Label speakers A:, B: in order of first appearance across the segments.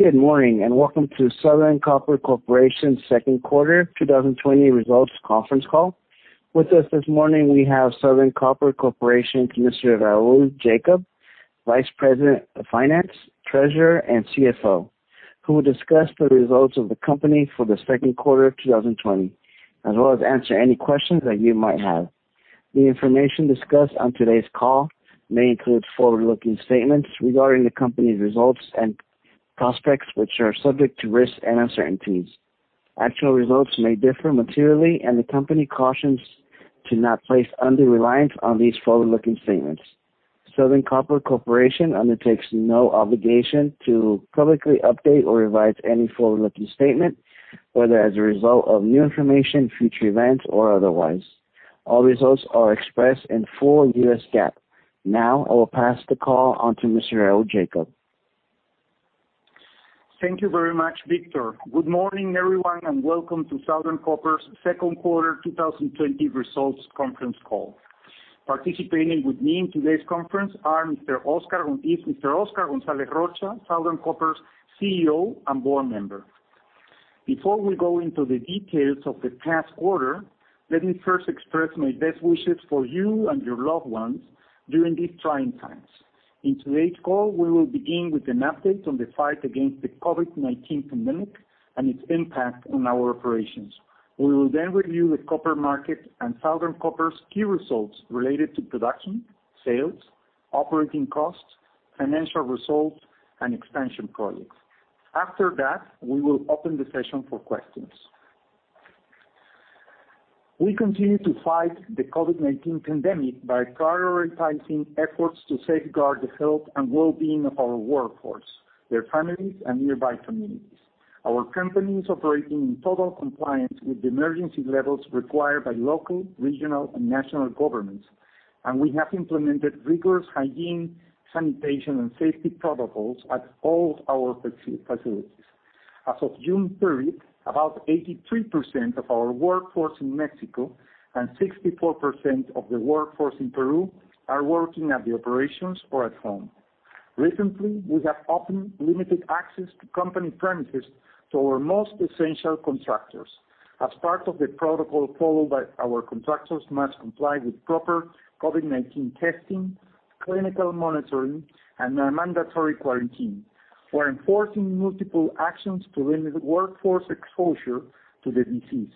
A: Good morning and welcome to Southern Copper Corporation's second quarter 2020 results conference call. With us this morning, we have from Southern Copper Corporation Raul Jacob, Vice President of Finance, Treasurer, and CFO, who will discuss the results of the company for the second quarter of 2020, as well as answer any questions that you might have. The information discussed on today's call may include forward-looking statements regarding the company's results and prospects, which are subject to risks and uncertainties. Actual results may differ materially, and the company cautions to not place undue reliance on these forward-looking statements. Southern Copper Corporation undertakes no obligation to publicly update or revise any forward-looking statement, whether as a result of new information, future events, or otherwise. All results are expressed in full U.S. GAAP. Now, I will pass the call on to Mr. Raul Jacob.
B: Thank you very much, Victor. Good morning, everyone, and welcome to Southern Copper's second quarter 2020 results conference call. Participating with me in today's conference are Mr. Óscar González Rocha, Southern Copper's CEO and board member. Before we go into the details of the past quarter, let me first express my best wishes for you and your loved ones during these trying times. In today's call, we will begin with an update on the fight against the COVID-19 pandemic and its impact on our operations. We will then review the copper market and Southern Copper's key results related to production, sales, operating costs, financial results, and expansion projects. After that, we will open the session for questions. We continue to fight the COVID-19 pandemic by prioritizing efforts to safeguard the health and well-being of our workforce, their families, and nearby communities. Our company is operating in total compliance with the emergency levels required by local, regional, and national governments, and we have implemented rigorous hygiene, sanitation, and safety protocols at all our facilities. As of June 30th, about 83% of our workforce in Mexico and 64% of the workforce in Peru are working at the operations or at home. Recently, we have often limited access to company premises to our most essential contractors. As part of the protocol followed by our contractors, we must comply with proper COVID-19 testing, clinical monitoring, and mandatory quarantine, while enforcing multiple actions to limit workforce exposure to the disease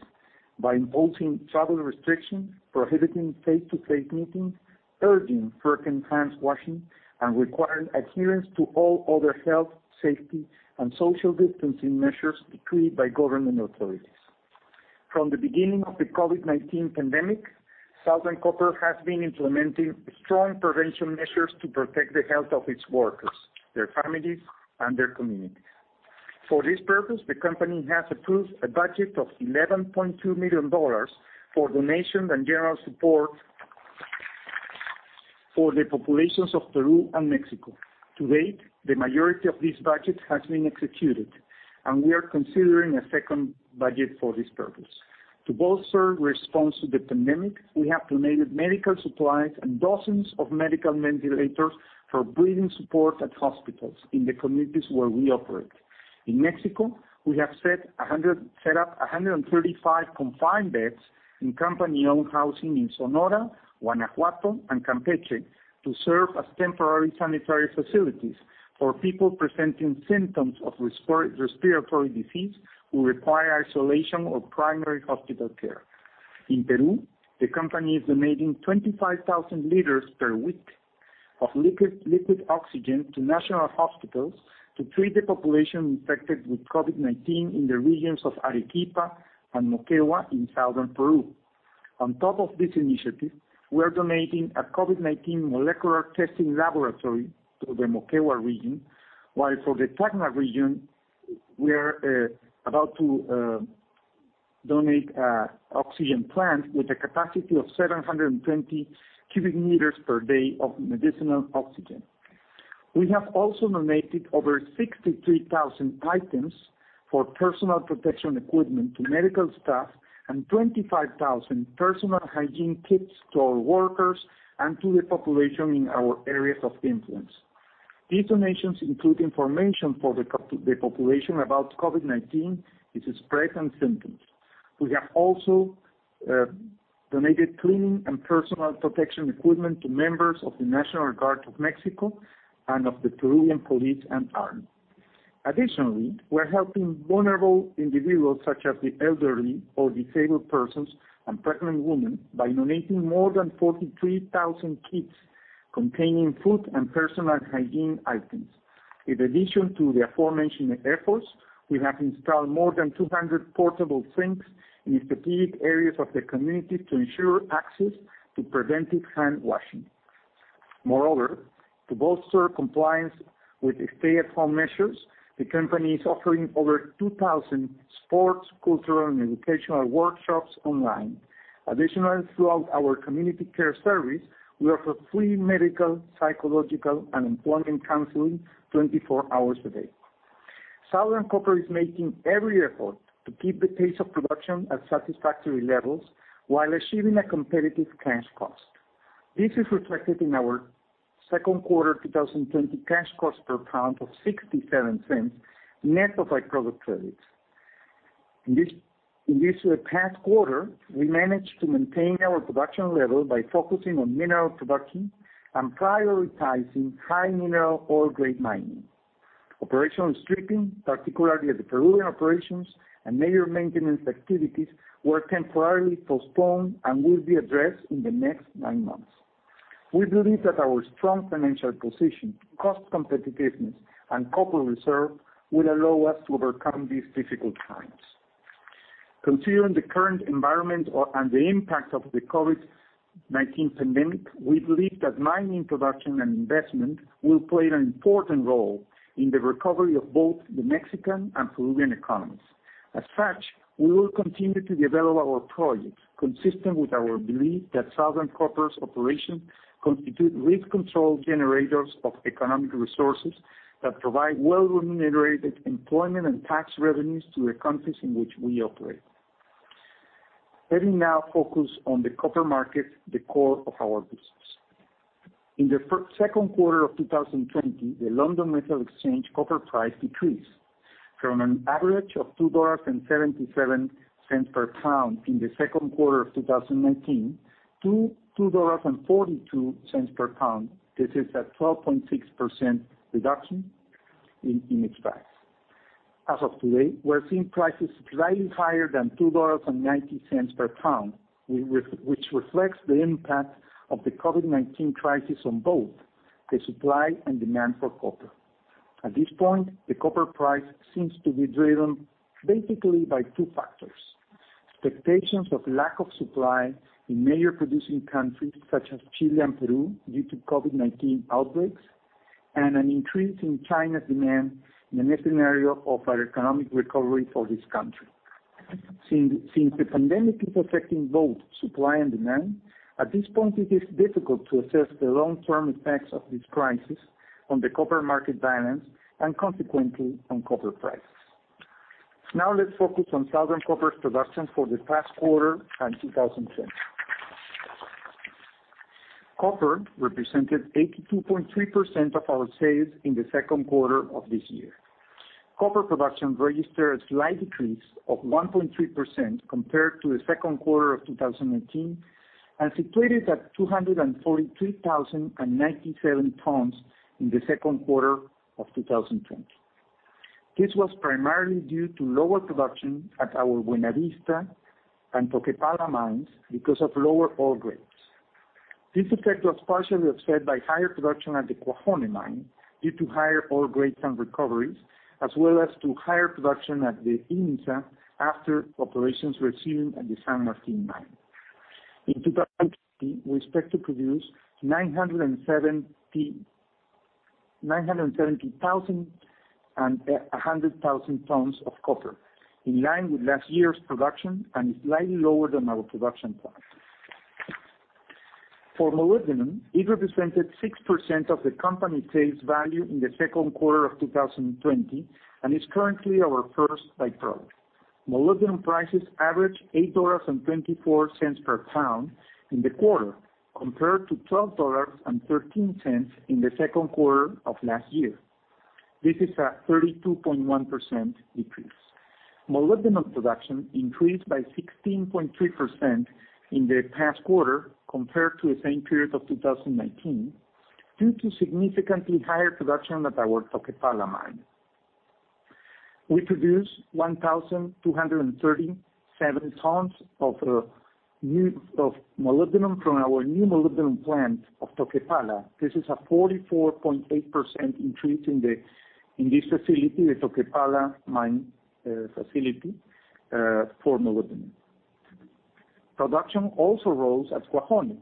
B: by imposing travel restrictions, prohibiting face-to-face meetings, urging for hand washing, and requiring adherence to all other health, safety, and social distancing measures decreed by government authorities. From the beginning of the COVID-19 pandemic, Southern Copper has been implementing strong prevention measures to protect the health of its workers, their families, and their communities. For this purpose, the company has approved a budget of $11.2 million for donations and general support for the populations of Peru and Mexico. To date, the majority of this budget has been executed, and we are considering a second budget for this purpose. To bolster response to the pandemic, we have donated medical supplies and dozens of medical ventilators for breathing support at hospitals in the communities where we operate. In Mexico, we have set up 135 confined beds in company-owned housing in Sonora, Guanajuato, and Campeche to serve as temporary sanitary facilities for people presenting symptoms of respiratory disease who require isolation or primary hospital care. In Peru, the company is donating 25,000 liters per week of liquid oxygen to national hospitals to treat the population infected with COVID-19 in the regions of Arequipa and Moquegua in Southern Peru. On top of this initiative, we are donating a COVID-19 molecular testing laboratory to the Moquegua region, while for the Tacna region, we are about to donate an oxygen plant with a capacity of 720 cubic meters per day of medicinal oxygen. We have also donated over 63,000 items for personal protection equipment to medical staff and 25,000 personal hygiene kits to our workers and to the population in our areas of influence. These donations include information for the population about COVID-19, its spread, and symptoms. We have also donated cleaning and personal protection equipment to members of the National Guard of Mexico and of the Peruvian police and army. Additionally, we're helping vulnerable individuals such as the elderly or disabled persons and pregnant women by donating more than 43,000 kits containing food and personal hygiene items. In addition to the aforementioned efforts, we have installed more than 200 portable sinks in strategic areas of the communities to ensure access to preventive hand washing. Moreover, to bolster compliance with stay-at-home measures, the company is offering over 2,000 sports, cultural, and educational workshops online. Additionally, throughout our community care service, we offer free medical, psychological, and employment counseling 24 hours a day. Southern Copper is making every effort to keep the pace of production at satisfactory levels while achieving a competitive cash cost. This is reflected in our second quarter 2020 cash cost per pound of $0.67 net of our product credits. In this past quarter, we managed to maintain our production level by focusing on mineral production and prioritizing high-mineral ore-grade mining. Operational stripping, particularly at the Peruvian operations, and major maintenance activities were temporarily postponed and will be addressed in the next nine months. We believe that our strong financial position, cost competitiveness, and copper reserve will allow us to overcome these difficult times. Considering the current environment and the impact of the COVID-19 pandemic, we believe that mining production and investment will play an important role in the recovery of both the Mexican and Peruvian economies. As such, we will continue to develop our projects consistent with our belief that Southern Copper's operations constitute risk control generators of economic resources that provide well-remunerated employment and tax revenues to the countries in which we operate, having now focused on the copper market, the core of our business. In the second quarter of 2020, the London Metal Exchange copper price decreased from an average of $2.77 per pound in the second quarter of 2019 to $2.42 per pound. This is a 12.6% reduction in its price. As of today, we're seeing prices slightly higher than $2.90 per pound, which reflects the impact of the COVID-19 crisis on both the supply and demand for copper. At this point, the copper price seems to be driven basically by two factors: expectations of lack of supply in major producing countries such as Chile and Peru due to COVID-19 outbreaks, and an increase in China's demand in a scenario of economic recovery for this country. Since the pandemic is affecting both supply and demand, at this point, it is difficult to assess the long-term effects of this crisis on the copper market balance and consequently on copper prices. Now, let's focus on Southern Copper's production for the past quarter of 2020. Copper represented 82.3% of our sales in the second quarter of this year. Copper production registered a slight decrease of 1.3% compared to the second quarter of 2018 and situated at 243,097 tons in the second quarter of 2020. This was primarily due to lower production at our Buenavista and Toquepala mines because of lower ore grades. This effect was partially offset by higher production at the Cuajone mine due to higher ore grades and recoveries, as well as to higher production at the IMMSA after operations resumed at the San Martín mine. In 2020, we expect to produce 970,000 tons of copper in line with last year's production and is slightly lower than our production plan. For molybdenum, it represented 6% of the company's sales value in the second quarter of 2020 and is currently our first by-product. Molybdenum prices averaged $8.24 per pound in the quarter compared to $12.13 in the second quarter of last year. This is a 32.1% decrease. Molybdenum production increased by 16.3% in the past quarter compared to the same period of 2019 due to significantly higher production at our Toquepala mine. We produced 1,237 tons of molybdenum from our new molybdenum plant of Toquepala. This is a 44.8% increase in this facility, the Toquepala mine facility, for molybdenum. Production also rose at Cuajone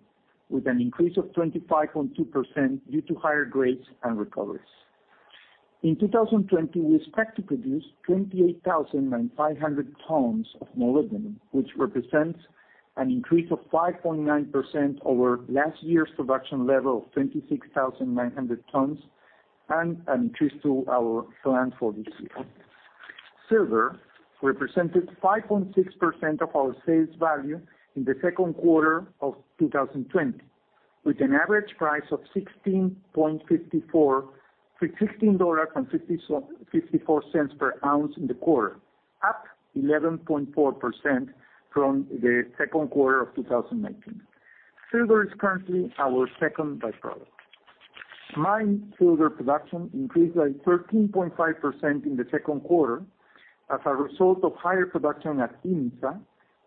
B: with an increase of 25.2% due to higher grades and recoveries. In 2020, we expect to produce 28,500 tons of molybdenum, which represents an increase of 5.9% over last year's production level of 26,900 tons and an increase to our plan for this year. Silver represented 5.6% of our sales value in the second quarter of 2020 with an average price of $16.54 per ounce in the quarter, up 11.4% from the second quarter of 2019. Silver is currently our second by-product. Mine silver production increased by 13.5% in the second quarter as a result of higher production at IMMSA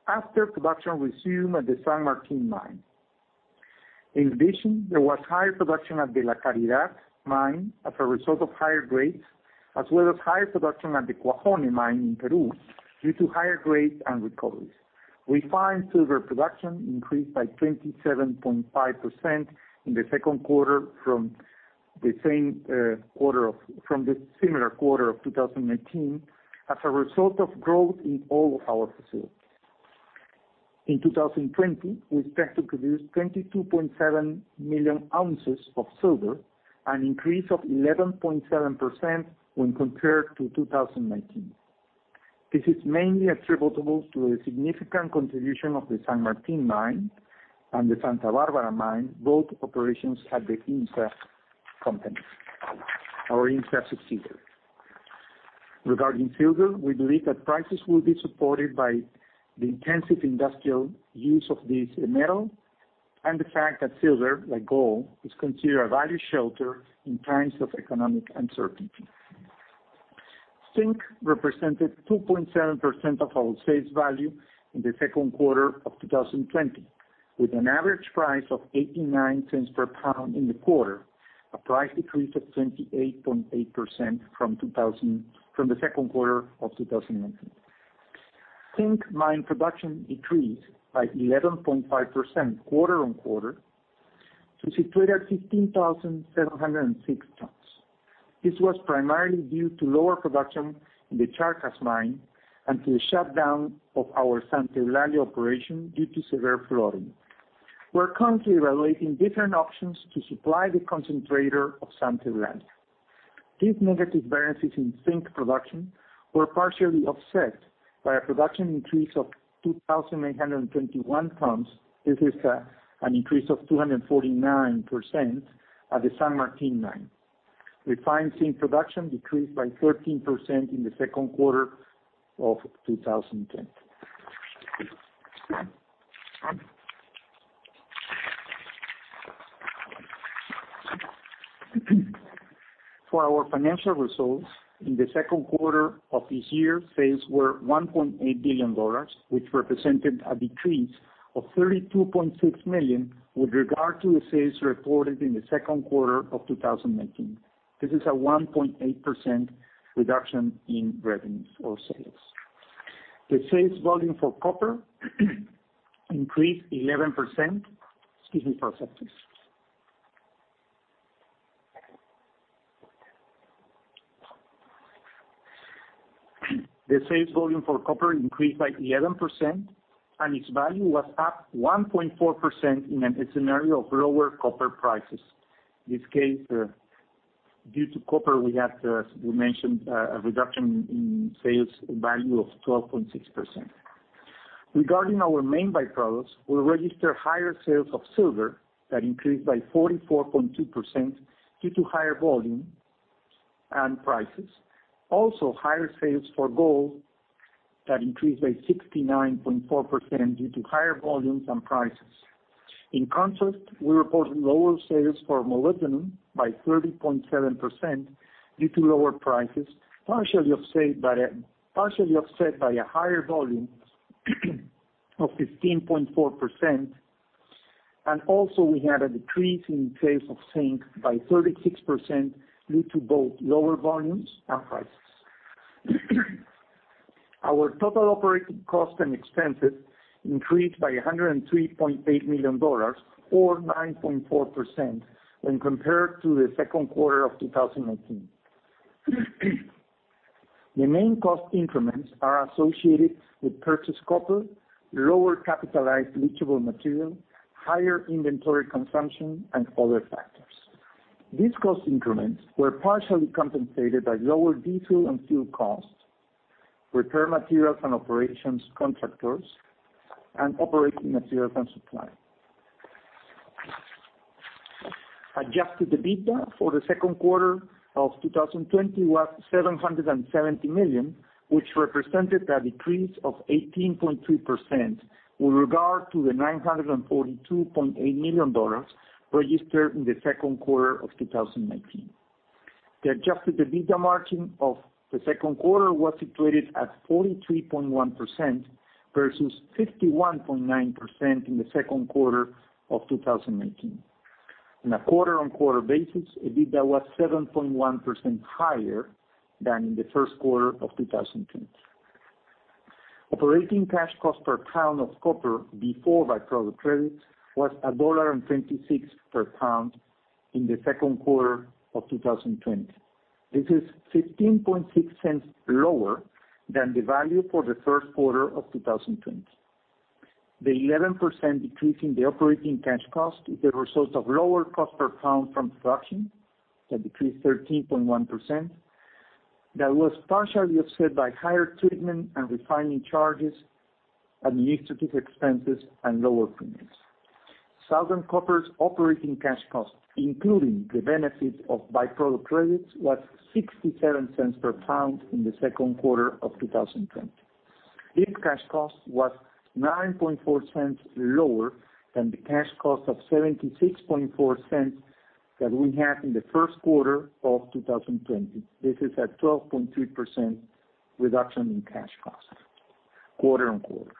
B: after production resumed at the San Martín mine. In addition, there was higher production at the La Caridad mine as a result of higher grades, as well as higher production at the Cuajone mine in Peru due to higher grades and recoveries. Refined silver production increased by 27.5% in the second quarter from the similar quarter of 2019 as a result of growth in all of our facilities. In 2020, we expect to produce 22.7 million ounces of silver, an increase of 11.7% when compared to 2019. This is mainly attributable to a significant contribution of the San Martín mine and the Santa Barbara mine, both operations at the IMMSA company. Our IMMSA succeeded. Regarding silver, we believe that prices will be supported by the intensive industrial use of this metal and the fact that silver, like gold, is considered a value shelter in times of economic uncertainty. Zinc represented 2.7% of our sales value in the second quarter of 2020 with an average price of $0.89 per pound in the quarter, a price decrease of 28.8% from the second quarter of 2019. Zinc mine production decreased by 11.5% quarter on quarter to situated at 15,706 tons. This was primarily due to lower production in the Charcas mine and to the shutdown of our Santa Eulalia operation due to severe flooding. We're currently evaluating different options to supply the concentrator of Santa Eulalia. These negative variances in zinc production were partially offset by a production increase of 2,821 tons. This is an increase of 249% at the San Martín mine. Refined zinc production decreased by 13% in the second quarter of 2020. For our financial results, in the second quarter of this year, sales were $1.8 billion, which represented a decrease of $32.6 million with regard to the sales reported in the second quarter of 2019. This is a 1.8% reduction in revenues or sales. The sales volume for copper increased 11%. Excuse me for a second. The sales volume for copper increased by 11%, and its value was up 1.4% in a scenario of lower copper prices. In this case, due to copper, we mentioned a reduction in sales value of 12.6%. Regarding our main by-products, we registered higher sales of silver that increased by 44.2% due to higher volume and prices. Also, higher sales for gold that increased by 69.4% due to higher volumes and prices. In contrast, we reported lower sales for molybdenum by 30.7% due to lower prices, partially offset by a higher volume of 15.4%. And also, we had a decrease in sales of zinc by 36% due to both lower volumes and prices. Our total operating cost and expenses increased by $103.8 million, or 9.4%, when compared to the second quarter of 2019. The main cost increments are associated with purchased copper, lower capitalized leachable material, higher inventory consumption, and other factors. These cost increments were partially compensated by lower diesel and fuel costs, repair materials and operations contractors, and operating materials and supply. Adjusted EBITDA for the second quarter of 2020 was $770 million, which represented a decrease of 18.3% with regard to the $942.8 million registered in the second quarter of 2019. The Adjusted EBITDA margin of the second quarter was situated at 43.1% versus 51.9% in the second quarter of 2019. On a quarter-on-quarter basis, EBITDA was 7.1% higher than in the first quarter of 2020. Operating cash cost per pound of copper before by-product credits was $1.26 per pound in the second quarter of 2020. This is $0.156 lower than the value for the first quarter of 2020. The 11% decrease in the operating cash cost is the result of lower cost per pound from production that decreased 13.1%. That was partially offset by higher treatment and refining charges, administrative expenses, and lower premiums. Southern Copper's operating cash cost, including the benefit of by-product credits, was $0.67 per pound in the second quarter of 2020. This cash cost was $0.094 lower than the cash cost of $0.764 that we had in the first quarter of 2020. This is a 12.3% reduction in cash cost quarter on quarter.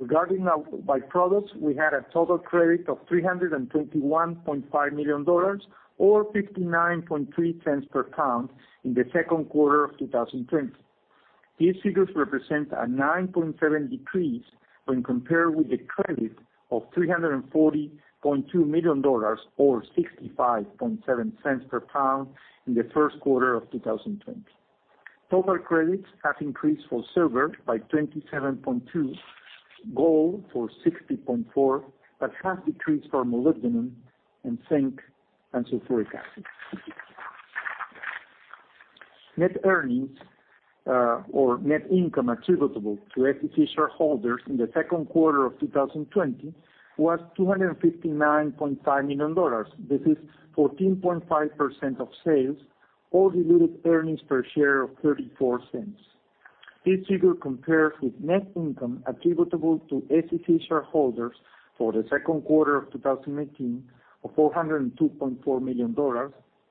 B: Regarding our by-products, we had a total credit of $321.5 million, or $0.593 per pound in the second quarter of 2020. These figures represent a 9.7% decrease when compared with the credit of $340.2 million, or $0.657 per pound in the first quarter of 2020. Total credits have increased for silver by 27.2%, gold for 60.4%, but have decreased for molybdenum and zinc and sulfuric acid. Net earnings or net income attributable to SCC shareholders in the second quarter of 2020 was $259.5 million. This is 14.5% of sales, or diluted earnings per share of $0.34. This figure compares with net income attributable to SCC shareholders for the second quarter of 2018 of $402.4 million.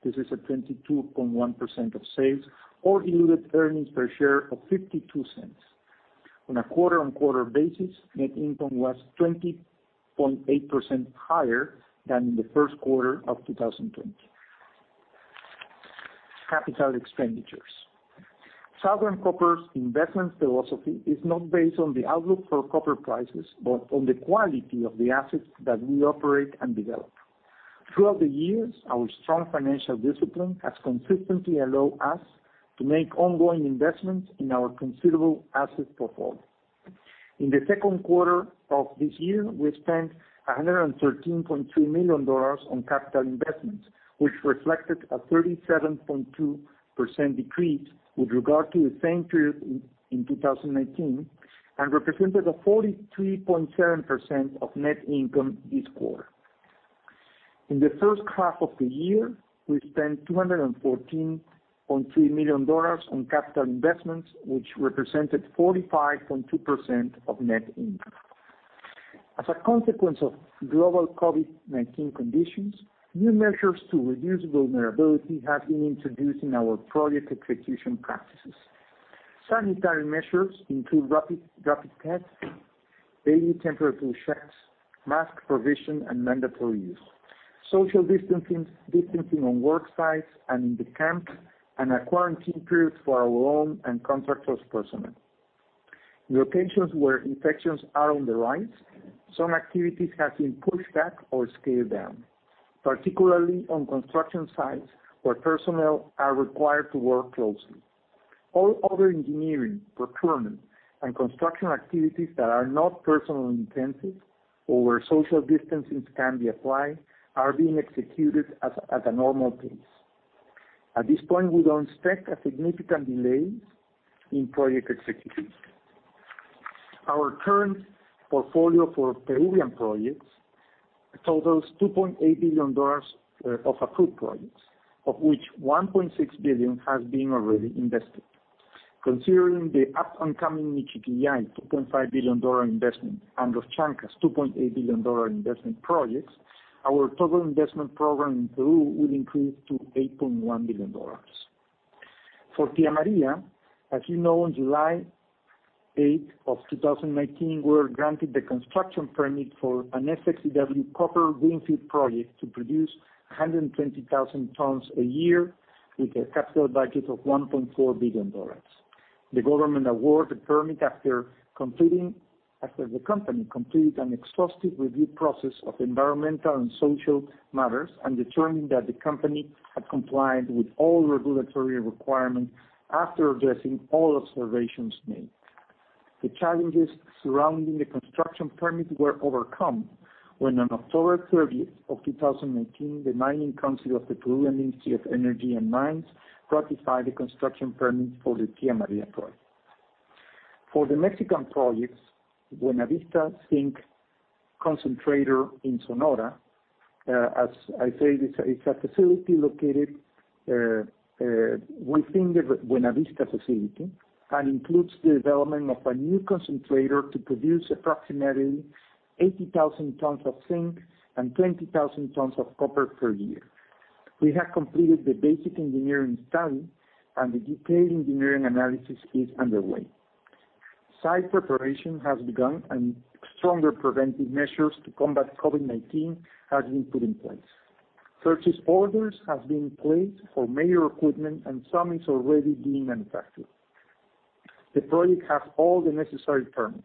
B: This is 22.1% of sales, or diluted earnings per share of $0.52. On a quarter-on-quarter basis, net income was 20.8% higher than in the first quarter of 2020. Capital expenditures. Southern Copper's investment philosophy is not based on the outlook for copper prices but on the quality of the assets that we operate and develop. Throughout the years, our strong financial discipline has consistently allowed us to make ongoing investments in our considerable asset portfolio. In the second quarter of this year, we spent $113.3 million on capital investments, which reflected a 37.2% decrease with regard to the same period in 2019 and represented 43.7% of net income this quarter. In the first half of the year, we spent $214.3 million on capital investments, which represented 45.2% of net income. As a consequence of global COVID-19 conditions, new measures to reduce vulnerability have been introduced in our project execution practices. Sanitary measures include rapid tests, daily temperature checks, mask provision and mandatory use, social distancing on work sites and in the camps, and a quarantine period for our own and contractors' personnel. In locations where infections are on the rise, some activities have been pushed back or scaled down, particularly on construction sites where personnel are required to work closely. All other engineering, procurement, and construction activities that are not personally intensive or where social distancing can be applied are being executed at a normal pace. At this point, we don't expect a significant delay in project execution. Our current portfolio for Peruvian projects totals $2.8 billion of approved projects, of which $1.6 billion has been already invested. Considering the up-and-coming Michiquillay $2.5 billion investment and Los Chancas $2.8 billion investment projects, our total investment program in Peru will increase to $8.1 billion. For Tía María, as you know, on July 8 of 2019, we were granted the construction permit for an SX-EW copper greenfield project to produce 120,000 tons a year with a capital budget of $1.4 billion. The government awarded the permit after the company completed an exhaustive review process of environmental and social matters and determined that the company had complied with all regulatory requirements after addressing all observations made. The challenges surrounding the construction permit were overcome when on October 30 of 2019, the Mining Council of the Peruvian Ministry of Energy and Mines ratified the construction permit for the Tía María project. For the Mexican projects, Buenavista Zinc Concentrator in Sonora, as I said, it's a facility located within the Buenavista facility and includes the development of a new concentrator to produce approximately 80,000 tons of zinc and 20,000 tons of copper per year. We have completed the basic engineering study, and the detailed engineering analysis is underway. Site preparation has begun, and stronger preventive measures to combat COVID-19 have been put in place. Purchase orders have been placed for major equipment, and some is already being manufactured. The project has all the necessary permits.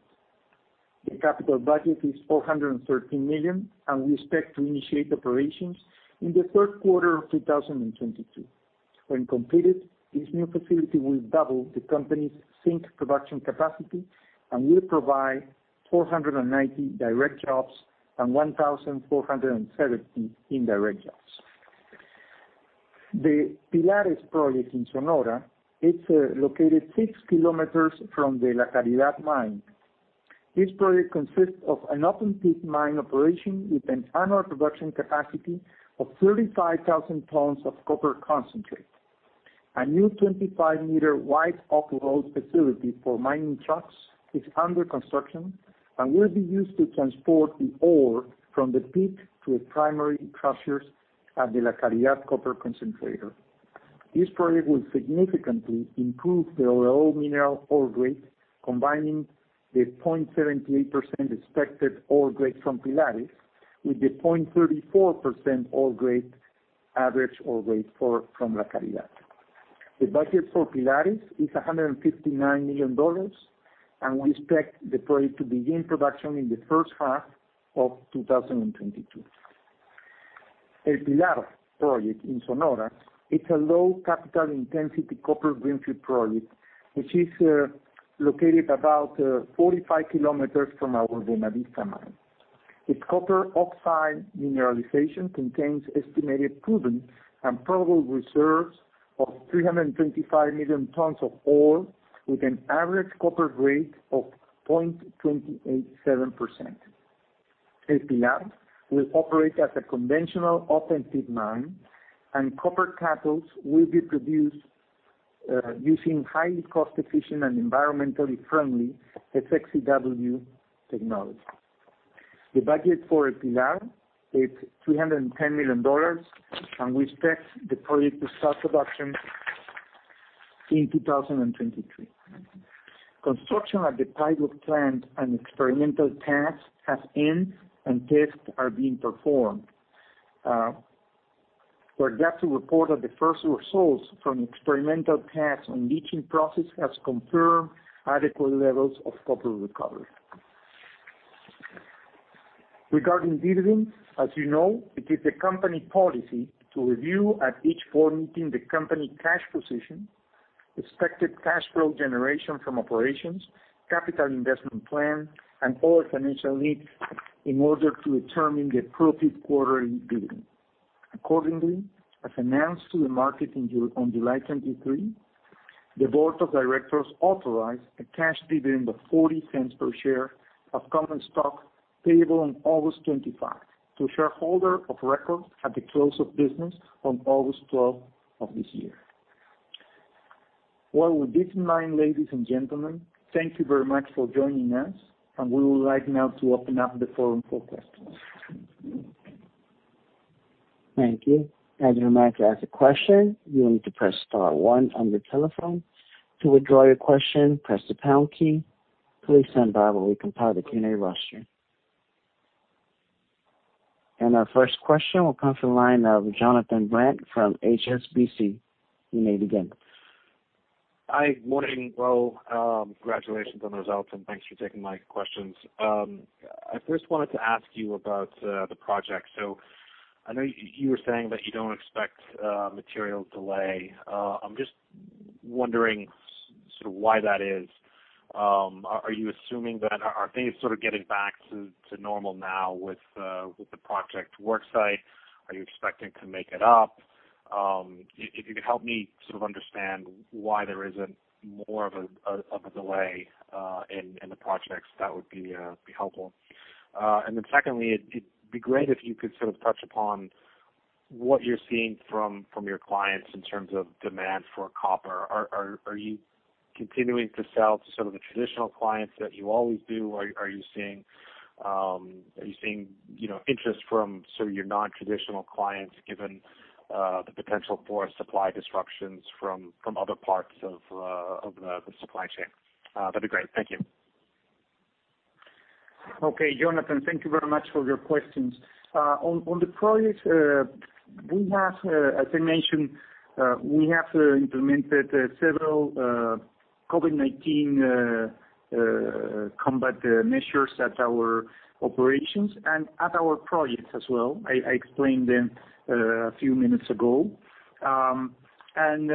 B: The capital budget is $413 million, and we expect to initiate operations in the third quarter of 2022. When completed, this new facility will double the company's zinc production capacity and will provide 490 direct jobs and 1,470 indirect jobs. The Pilares project in Sonora is located 6 km from the La Caridad mine. This project consists of an open-pit mine operation with an annual production capacity of 35,000 tons of copper concentrate. A new 25-meter wide off-road facility for mining trucks is under construction and will be used to transport the ore from the pit to the primary crushers at the La Caridad copper concentrator. This project will significantly improve the overall mineral ore grade, combining the 0.78% expected ore grade from Pilares with the 0.34% average ore grade from La Caridad. The budget for Pilares is $159 million, and we expect the project to begin production in the first half of 2022. El Pilar project in Sonora is a low capital intensity copper greenfield project, which is located about 45 km from our Buenavista mine. Its copper oxide mineralization contains estimated proven and probable reserves of 325 million tons of ore with an average copper grade of 0.287%. El Pilar will operate as a conventional open-pit mine, and copper cathodes will be produced using highly cost-efficient and environmentally friendly SX-EW technology. The budget for El Pilar is $310 million, and we expect the project to start production in 2023. Construction at the pilot plant and experimental tests have ended, and tests are being performed. We're glad to report that the first results from experimental tests on leaching process have confirmed adequate levels of copper recovery. Regarding dividends, as you know, it is the company policy to review at each board meeting the company cash position, expected cash flow generation from operations, capital investment plan, and all financial needs in order to determine the appropriate quarterly dividend. Accordingly, as announced to the market on July 23, the board of directors authorized a cash dividend of $0.40 per share of common stock payable on August 25 to shareholders of record at the close of business on August 12 of this year. With this in mind, ladies and gentlemen, thank you very much for joining us, and we would like now to open up the forum for questions.
A: Thank you. As a reminder, to ask a question, you will need to press star one on your telephone. To withdraw your question, press the pound key. Please stand by while we compile the Q&A roster. And our first question will come from the line of Jonathan Brandt from HSBC. You may begin.
C: Hi. Morning. Well, congratulations on the results, and thanks for taking my questions. I first wanted to ask you about the project. So I know you were saying that you don't expect material delay. I'm just wondering sort of why that is. Are you assuming that are things sort of getting back to normal now with the project work site? Are you expecting to make it up? If you could help me sort of understand why there isn't more of a delay in the projects, that would be helpful. And then secondly, it'd be great if you could sort of touch upon what you're seeing from your clients in terms of demand for copper. Are you continuing to sell to sort of the traditional clients that you always do? Are you seeing interest from sort of your non-traditional clients given the potential for supply disruptions from other parts of the supply chain? That'd be great. Thank you.
B: Okay. Jonathan, thank you very much for your questions. On the project, as I mentioned, we have implemented several COVID-19 combat measures at our operations and at our projects as well. I explained them a few minutes ago, and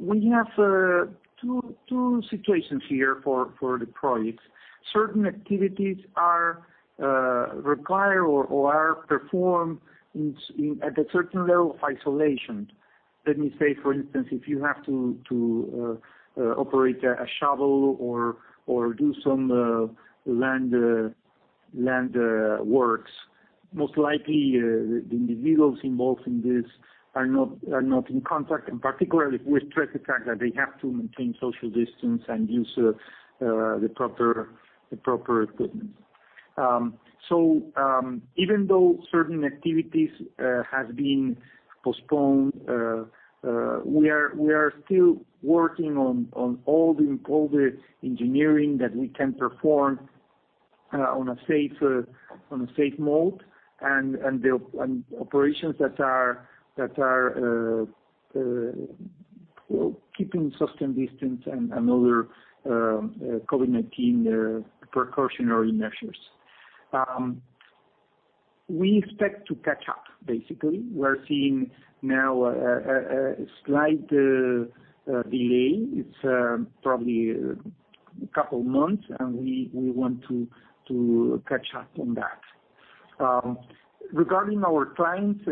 B: we have two situations here for the projects. Certain activities require or are performed at a certain level of isolation. Let me say, for instance, if you have to operate a shovel or do some landworks, most likely the individuals involved in this are not in contact, and particularly with respect to the fact that they have to maintain social distance and use the proper equipment. So even though certain activities have been postponed, we are still working on all the engineering that we can perform on a safe mode and operations that are keeping social distance and other COVID-19 precautionary measures. We expect to catch up, basically. We're seeing now a slight delay. It's probably a couple of months, and we want to catch up on that. Regarding our clients,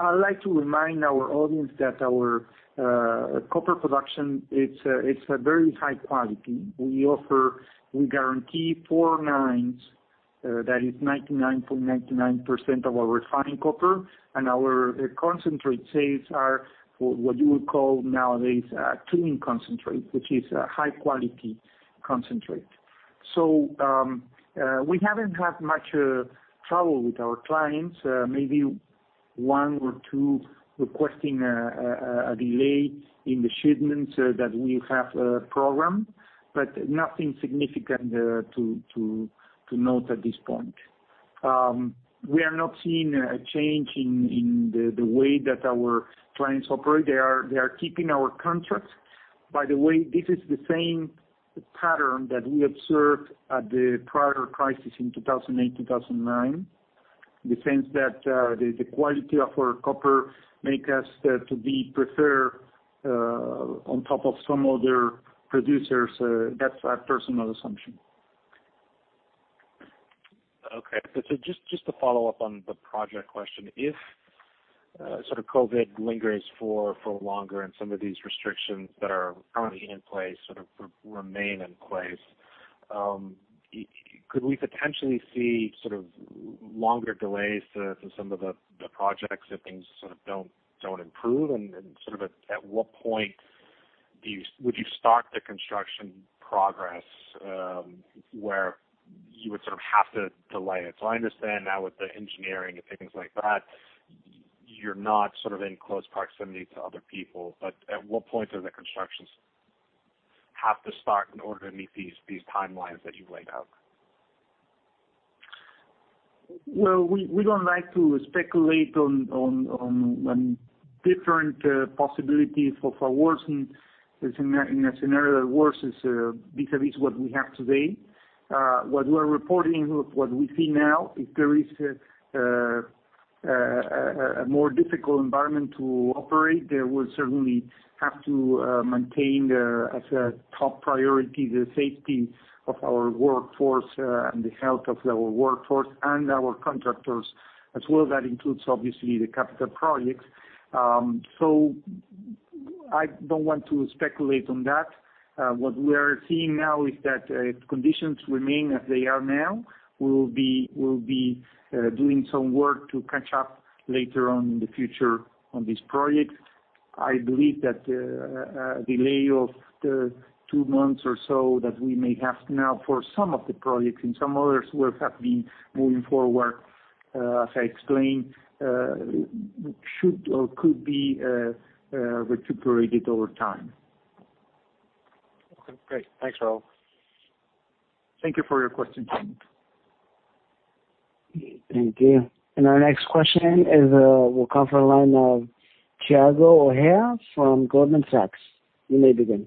B: I'd like to remind our audience that our copper production is very high quality. We guarantee four nines that is 99.99% of our refined copper, and our concentrate sales are what you would call nowadays clean concentrate, which is a high-quality concentrate. So we haven't had much trouble with our clients, maybe one or two requesting a delay in the shipments that we have programmed, but nothing significant to note at this point. We are not seeing a change in the way that our clients operate. They are keeping our contracts. By the way, this is the same pattern that we observed at the prior crisis in 2008, 2009, in the sense that the quality of our copper makes us to be preferred on top of some other producers. That's a personal assumption.
C: Okay, so just to follow up on the project question, if sort of COVID-19 lingers for longer and some of these restrictions that are currently in place sort of remain in place, could we potentially see sort of longer delays to some of the projects if things sort of don't improve, and sort of at what point would you stop the construction progress where you would sort of have to delay it, so I understand now with the engineering and things like that, you're not sort of in close proximity to other people, but at what point do the constructions have to start in order to meet these timelines that you've laid out?
B: We don't like to speculate on different possibilities for worsening in a scenario that worsens vis-à-vis what we have today. What we are reporting, what we see now, if there is a more difficult environment to operate, then we'll certainly have to maintain as a top priority the safety of our workforce and the health of our workforce and our contractors as well. That includes, obviously, the capital projects. So I don't want to speculate on that. What we are seeing now is that if conditions remain as they are now, we will be doing some work to catch up later on in the future on these projects. I believe that the delay of two months or so that we may have now for some of the projects and some others will have been moving forward, as I explained, should or could be recuperated over time.
C: Okay. Great. Thanks, Raul.
B: Thank you for your question, Jonathan.
A: Thank you. And our next question will come from the line of Thiago Ojea from Goldman Sachs. You may begin.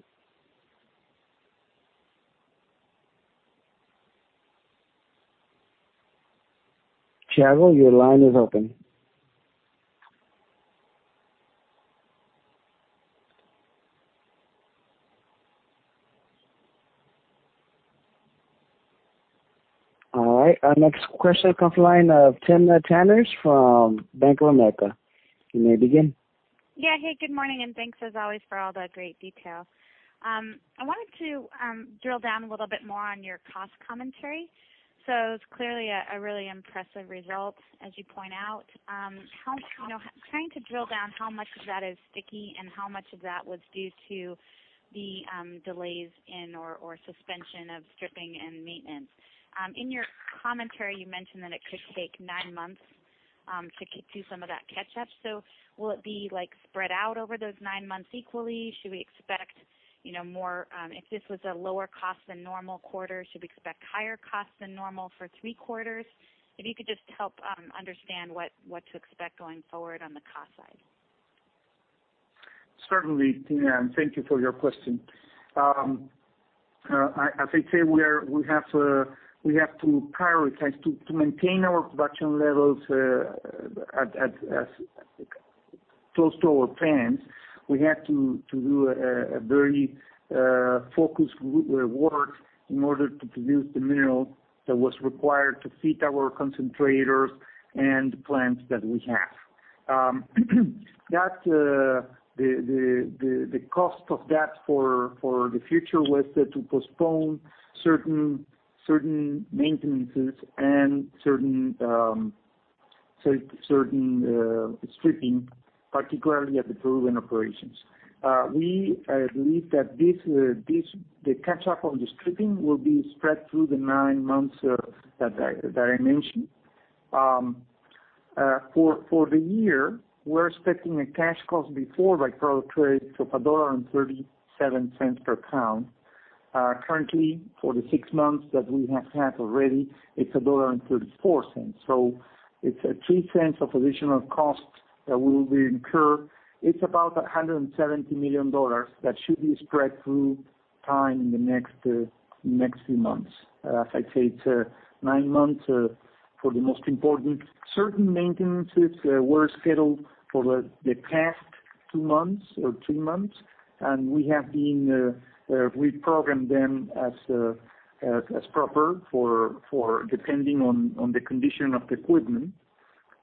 A: Thiago, your line is open. All right. Our next question comes from the line of Timna Tanners from Bank of America. You may begin.
D: Yeah. Hey, good morning, and thanks as always for all the great detail. I wanted to drill down a little bit more on your cost commentary. So it was clearly a really impressive result, as you point out. Trying to drill down how much of that is sticky and how much of that was due to the delays in or suspension of stripping and maintenance. In your commentary, you mentioned that it could take nine months to do some of that catch-up. So will it be spread out over those nine months equally? Should we expect more? If this was a lower cost than normal quarter, should we expect higher cost than normal for three quarters? If you could just help understand what to expect going forward on the cost side.
B: Certainly, Tim, thank you for your question. As I say, we have to prioritize to maintain our production levels close to our plans. We had to do a very focused work in order to produce the mineral that was required to feed our concentrators and the plants that we have. The cost of that for the future was to postpone certain maintenances and certain stripping, particularly at the Peruvian operations. We believe that the catch-up on the stripping will be spread through the nine months that I mentioned. For the year, we're expecting a cash cost before by-product credits probably around $1.37 per pound. Currently, for the six months that we have had already, it's $1.34. So it's a $0.03 of additional cost that we will incur. It's about $170 million that should be spread through time in the next few months. As I say, it's nine months for the most important. Certain maintenances were scheduled for the past two months or three months, and we have been reprogramming them as proper depending on the condition of the equipment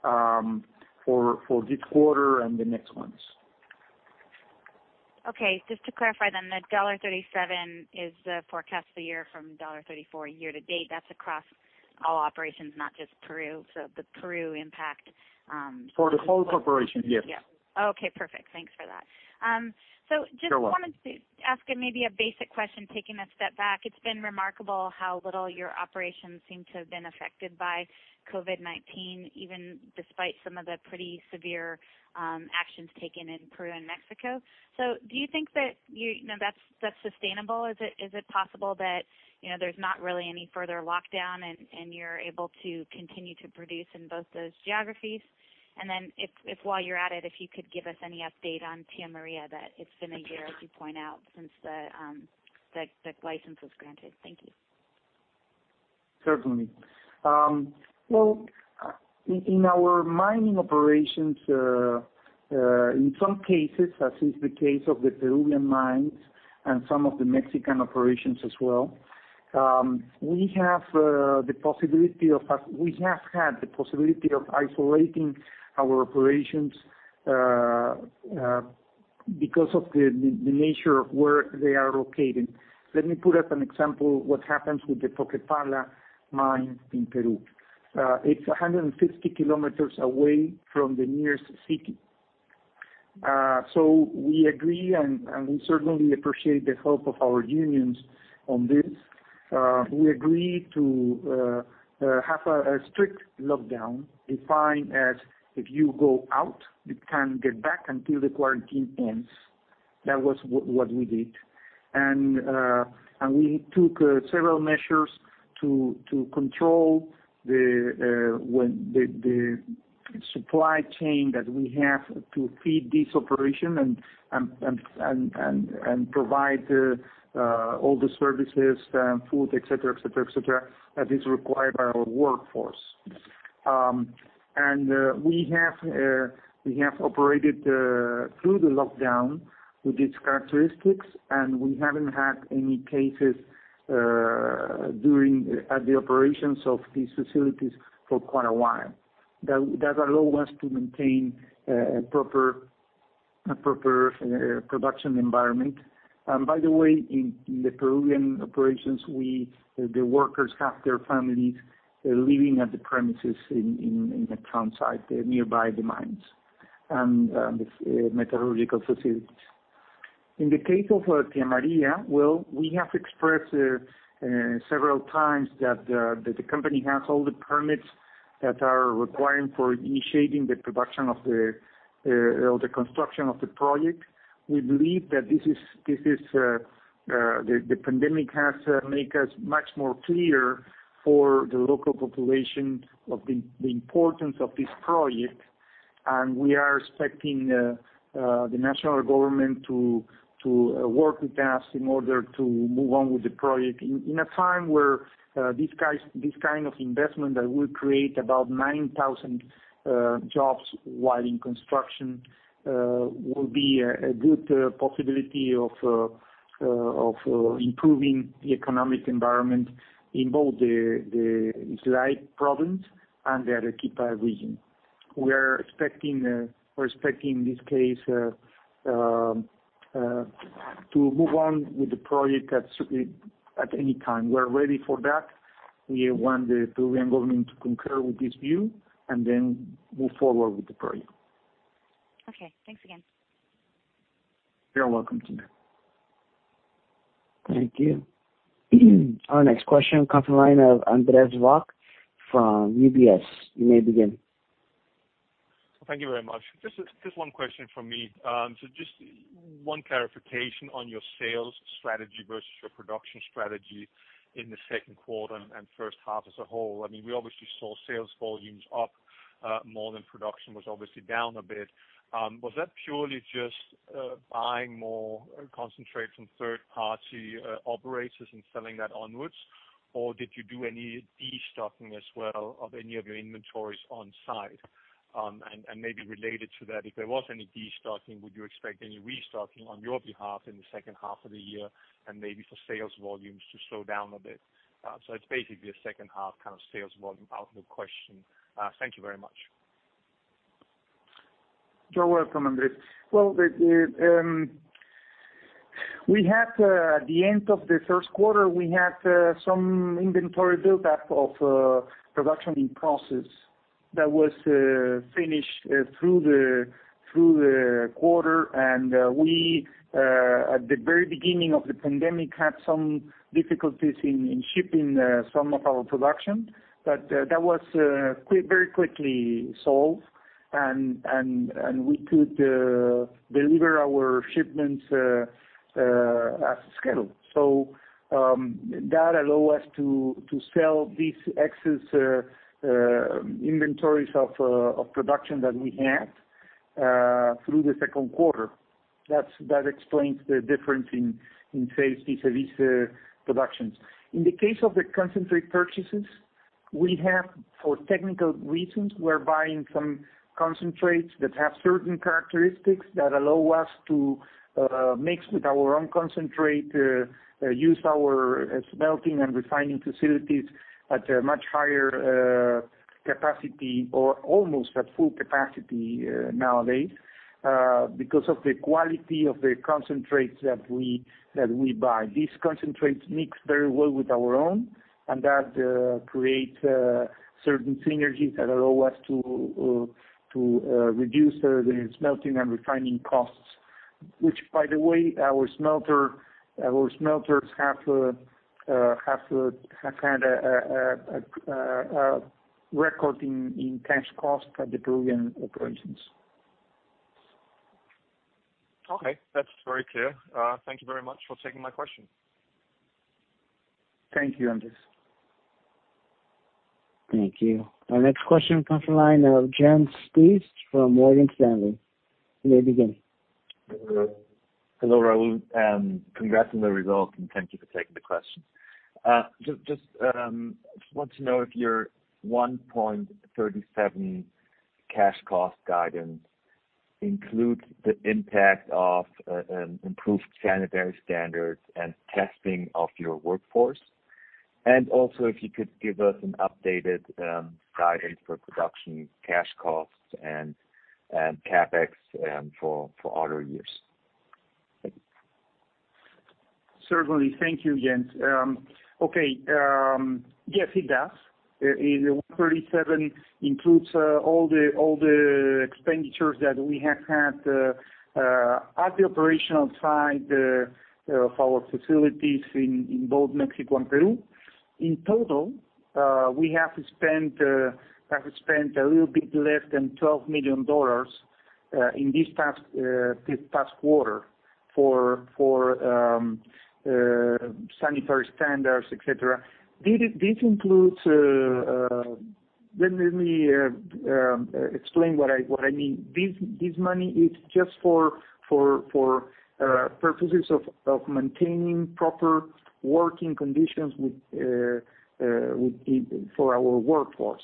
B: for this quarter and the next months.
D: Okay. Just to clarify then, the $1.37 is the forecast for the year from $1.34 year to date. That's across all operations, not just Peru. So the Peru impact.
B: For the whole corporation, yes.
D: Yeah. Okay. Perfect. Thanks for that. So just wanted to ask maybe a basic question, taking a step back. It's been remarkable how little your operations seem to have been affected by COVID-19, even despite some of the pretty severe actions taken in Peru and Mexico. So do you think that that's sustainable? Is it possible that there's not really any further lockdown and you're able to continue to produce in both those geographies? And then while you're at it, if you could give us any update on Tía María, that it's been a year, as you point out, since the license was granted. Thank you.
B: Certainly. Well, in our mining operations, in some cases, as is the case of the Peruvian mines and some of the Mexican operations as well, we have had the possibility of isolating our operations because of the nature of where they are located. Let me put up an example of what happens with the Toquepala mines in Peru. It's 150 km away from the nearest city. So we agree, and we certainly appreciate the help of our unions on this. We agreed to have a strict lockdown defined as if you go out, you can't get back until the quarantine ends. That was what we did, and we took several measures to control the supply chain that we have to feed this operation and provide all the services, food, etc., etc., etc., that is required by our workforce. We have operated through the lockdown with these characteristics, and we haven't had any cases during at the operations of these facilities for quite a while. That allowed us to maintain a proper production environment. By the way, in the Peruvian operations, the workers have their families living at the premises in the towns nearby the mines and the metallurgical facilities. In the case of Tía María, well, we have expressed several times that the company has all the permits that are required for initiating the production of the construction of the project. We believe that this, the pandemic, has made us much more clear for the local population of the importance of this project, and we are expecting the national government to work with us in order to move on with the project in a time where this kind of investment that will create about 9,000 jobs while in construction will be a good possibility of improving the economic environment in both the Islay province and the Arequipa region. We are expecting, in this case, to move on with the project at any time. We are ready for that. We want the Peruvian government to concur with this view and then move forward with the project.
D: Okay. Thanks again.
B: You're welcome, Tim.
A: Thank you. Our next question comes from the line of André Roth from UBS. You may begin.
E: Thank you very much. Just one question from me. So just one clarification on your sales strategy versus your production strategy in the second quarter and first half as a whole. I mean, we obviously saw sales volumes up, more than production was obviously down a bit. Was that purely just buying more concentrates from third-party operators and selling that onwards, or did you do any destocking as well of any of your inventories on site? And maybe related to that, if there was any destocking, would you expect any restocking on your behalf in the second half of the year and maybe for sales volumes to slow down a bit? So it's basically a second half kind of sales volume outlook question. Thank you very much.
B: You're welcome, André. At the end of the first quarter, we had some inventory built up of production in process that was finished through the quarter. We, at the very beginning of the pandemic, had some difficulties in shipping some of our production, but that was very quickly solved, and we could deliver our shipments as scheduled. That allowed us to sell these excess inventories of production that we had through the second quarter. That explains the difference in sales vis-à-vis productions. In the case of the concentrate purchases, we have, for technical reasons, we're buying some concentrates that have certain characteristics that allow us to mix with our own concentrate, use our smelting and refining facilities at a much higher capacity or almost at full capacity nowadays because of the quality of the concentrates that we buy. These concentrates mix very well with our own, and that creates certain synergies that allow us to reduce the smelting and refining costs, which, by the way, our smelters have had a record in cash cost at the Peruvian operations.
E: Okay. That's very clear. Thank you very much for taking my question.
B: Thank you, Andrés.
A: Thank you. Our next question comes from the line of Jens Spiess from Morgan Stanley. You may begin.
F: Hello, Raul. Congrats on the results, and thank you for taking the question. Just want to know if your $1.37 cash cost guidance includes the impact of improved sanitary standards and testing of your workforce, and also if you could give us an updated guidance for production cash costs and CapEx for out years.
B: Certainly. Thank you, Jens. Okay. Yes, it does. The 1.37 includes all the expenditures that we have had at the operational side of our facilities in both Mexico and Peru. In total, we have spent a little bit less than $12 million in this past quarter for sanitary standards, etc. This includes. Let me explain what I mean. This money is just for purposes of maintaining proper working conditions for our workforce.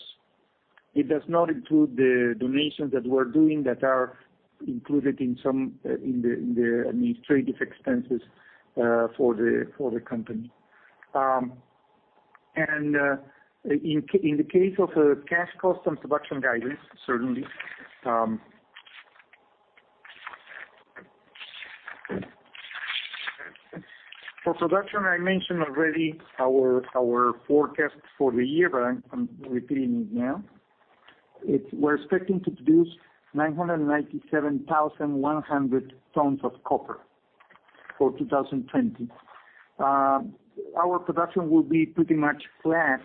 B: It does not include the donations that we're doing that are included in the administrative expenses for the company. And in the case of cash cost and production guidance, certainly. For production, I mentioned already our forecast for the year, but I'm repeating it now. We're expecting to produce 997,100 tons of copper for 2020. Our production will be pretty much flat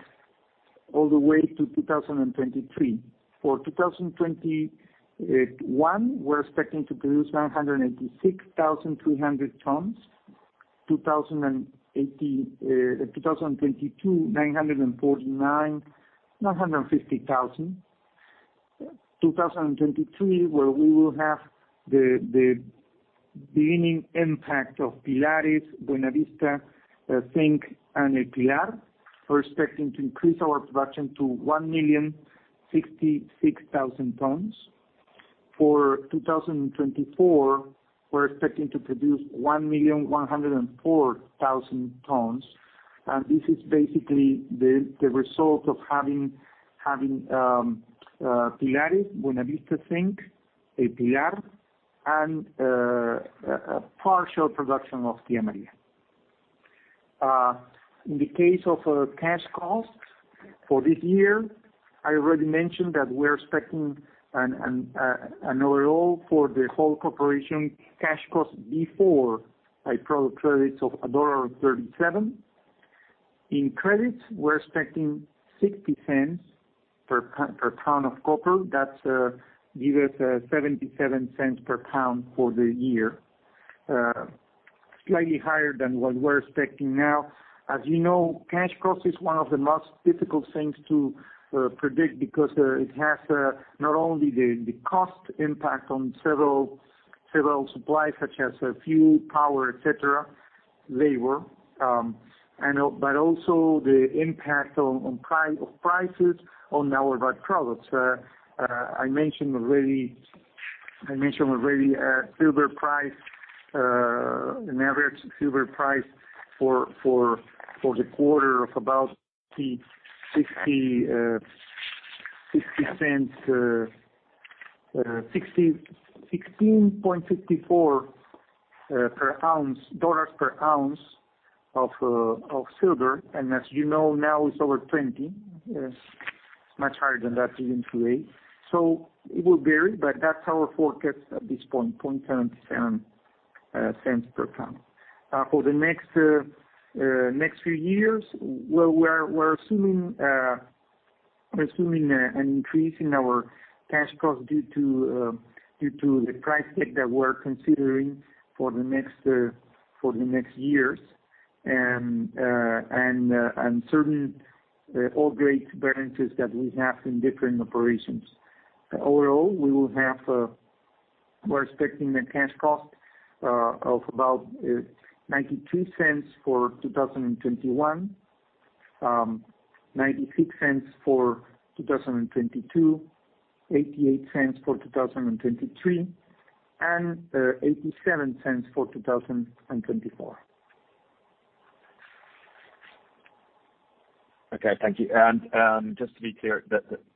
B: all the way to 2023. For 2021, we're expecting to produce 986,300 tons. 2022, 950,000. 2023, where we will have the beginning impact of Pilares, Buenavista, Zinc, and El Pilar. We're expecting to increase our production to 1,066,000 tons. For 2024, we're expecting to produce 1,104,000 tons. This is basically the result of having Pilares, Buenavista, Zinc, El Pilar, and partial production of Tía María. In the case of cash costs for this year, I already mentioned that we're expecting an overall for the whole corporation cash cost before by-product credits of $1.37. Net credits, we're expecting $0.60 per pound of copper. That gives us $0.77 per pound for the year, slightly higher than what we're expecting now. As you know, cash cost is one of the most difficult things to predict because it has not only the cost impact on several supplies such as fuel, power, etc., labor, but also the impact of prices on our products. I mentioned already a silver price, an average silver price for the quarter of about $16.54 per ounce of silver, and as you know, now it's over 20. It's much higher than that even today, so it will vary, but that's our forecast at this point, $0.0077 per pound. For the next few years, well, we're assuming an increase in our cash cost due to the price tag that we're considering for the next years and certain upgrade variances that we have in different operations. Overall, we're expecting a cash cost of about $0.92 for 2021, $0.96 for 2022, $0.88 for 2023, and $0.87 for 2024.
F: Okay. Thank you. And just to be clear,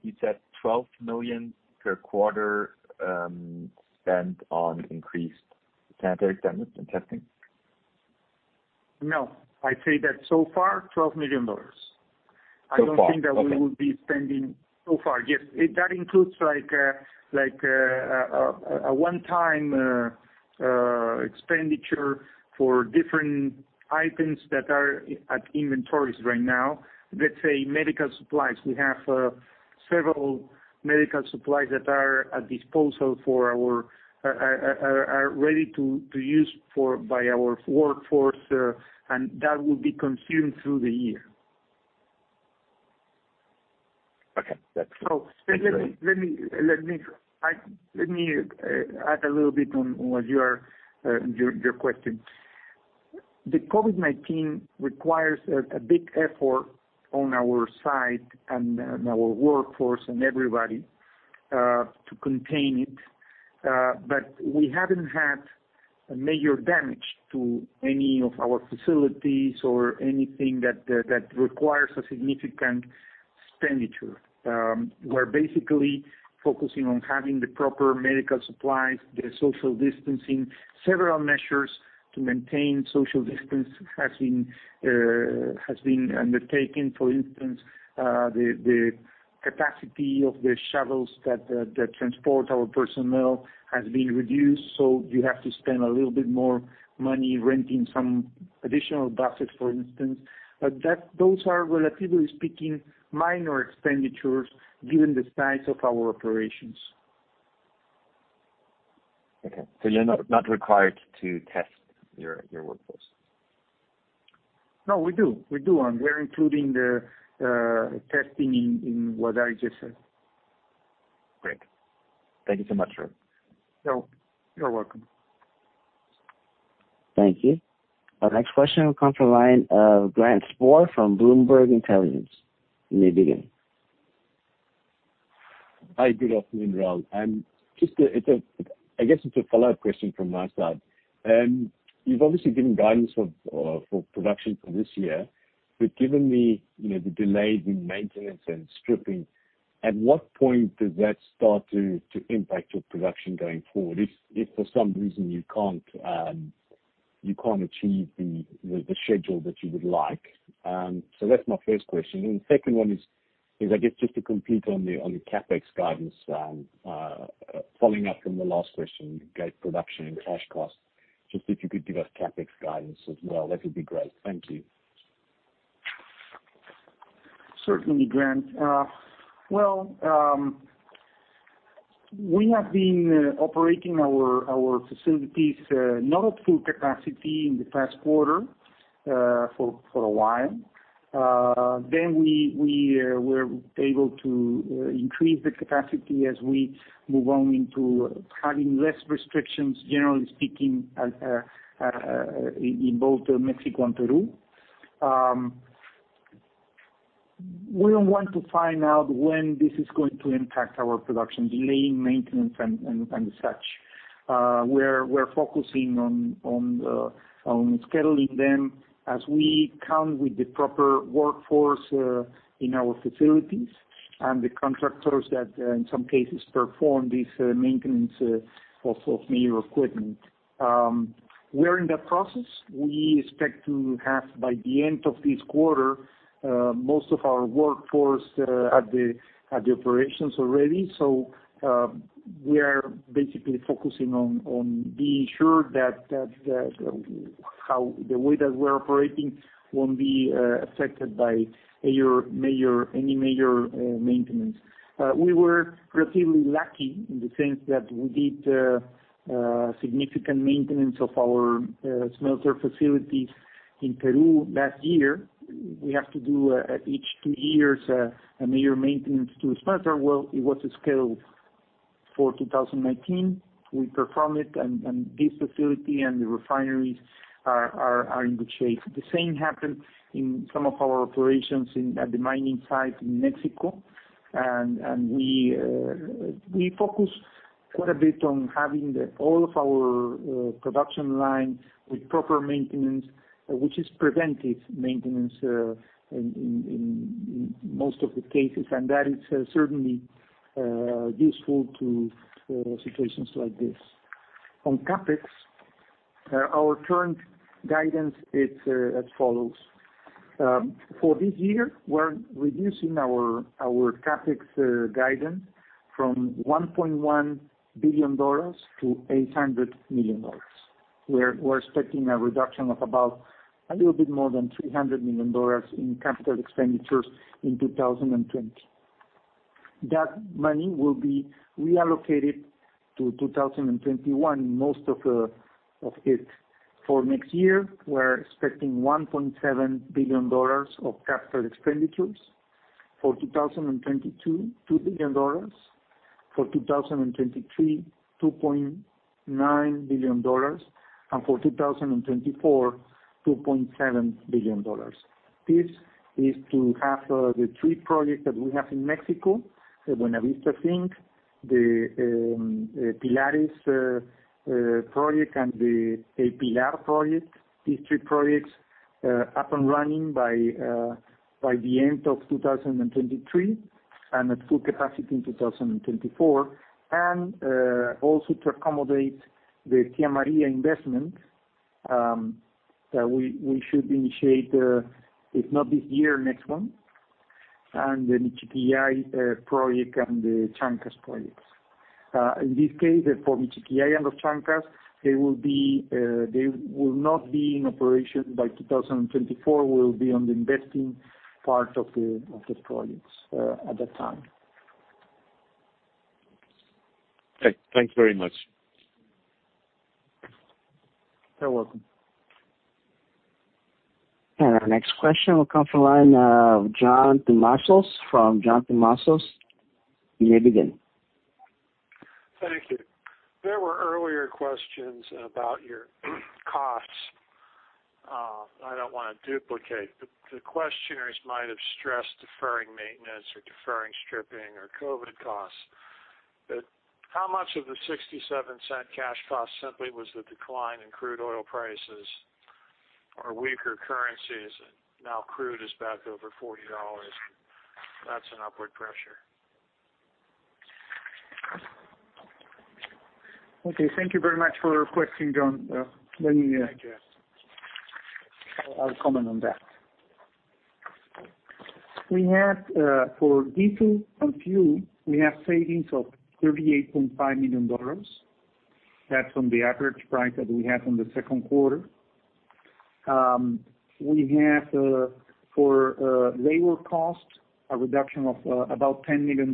F: you said $12 million per quarter spent on increased sanitary standards and testing?
B: No. I'd say that so far, $12 million. I don't think that we will be spending so far. Yes, that includes a one-time expenditure for different items that are in inventories right now. Let's say medical supplies. We have several medical supplies that are at our disposal—are ready to use by our workforce, and that will be consumed through the year.
F: Okay. That's good.
B: So let me add a little bit on your question. The COVID-19 requires a big effort on our side and our workforce and everybody to contain it, but we haven't had major damage to any of our facilities or anything that requires a significant expenditure. We're basically focusing on having the proper medical supplies, the social distancing. Several measures to maintain social distance have been undertaken. For instance, the capacity of the shuttles that transport our personnel has been reduced, so you have to spend a little bit more money renting some additional buses, for instance. But those are, relatively speaking, minor expenditures given the size of our operations.
F: Okay. So you're not required to test your workforce?
B: No, we do. We do. And we're including the testing in what I just said.
F: Great. Thank you so much, Raul.
B: You're welcome.
A: Thank you. Our next question comes from the line of Grant Sporre from Bloomberg Intelligence. You may begin.
G: Hi, good afternoon, Raul. I guess it's a follow-up question from my side. You've obviously given guidance for production for this year, but given the delayed maintenance and stripping, at what point does that start to impact your production going forward if, for some reason, you can't achieve the schedule that you would like? So that's my first question. And the second one is, I guess, just to complete on the CapEx guidance, following up from the last question, you gave production and cash cost. Just if you could give us CapEx guidance as well, that would be great. Thank you.
B: Certainly, Grant. Well, we have been operating our facilities not at full capacity in the past quarter for a while. Then we were able to increase the capacity as we moved on into having less restrictions, generally speaking, in both Mexico and Peru. We don't want to find out when this is going to impact our production, delaying maintenance and such. We're focusing on scheduling them as we count with the proper workforce in our facilities and the contractors that, in some cases, perform this maintenance of major equipment. We're in that process. We expect to have, by the end of this quarter, most of our workforce at the operations already. So we are basically focusing on being sure that the way that we're operating won't be affected by any major maintenance. We were relatively lucky in the sense that we did significant maintenance of our smelter facilities in Peru last year. We have to do, each two years, a major maintenance to the smelter. It was scheduled for 2019. We performed it, and this facility and the refineries are in good shape. The same happened in some of our operations at the mining site in Mexico. We focus quite a bit on having all of our production line with proper maintenance, which is preventive maintenance in most of the cases, and that is certainly useful to situations like this. On CapEx, our current guidance is as follows. For this year, we're reducing our CapEx guidance from $1.1 billion to $800 million. We're expecting a reduction of about a little bit more than $300 million in capital expenditures in 2020. That money will be reallocated to 2021, most of it. For next year, we're expecting $1.7 billion of capital expenditures. For 2022, $2 billion. For 2023, $2.9 billion, and for 2024, $2.7 billion. This is to have the three projects that we have in Mexico, the Buenavista Zinc, the Pilares project, and the El Pilar project. These three projects are up and running by the end of 2023 and at full capacity in 2024, and also to accommodate the Tía María investment that we should initiate, if not this year, next one, and the Michiquillay project and the Los Chancas projects. In this case, for Michiquillay and the Los Chancas, they will not be in operation by 2024. We'll be on the investing part of the projects at that time.
G: Thanks very much.
B: You're welcome.
A: Our next question will come from the line of John Tumazos. From John Tumazos, you may begin.
H: Thank you. There were earlier questions about your costs. I don't want to duplicate. The questioners might have stressed deferring maintenance or deferring stripping or COVID costs. But how much of the $0.67 cash cost simply was the decline in crude oil prices or weaker currencies? Now crude is back over $40. That's an upward pressure.
B: Okay. Thank you very much for your question, John. Let me have a comment on that. For diesel and fuel, we have savings of $38.5 million. That's on the average price that we have in the second quarter. We have, for labor cost, a reduction of about $10 million,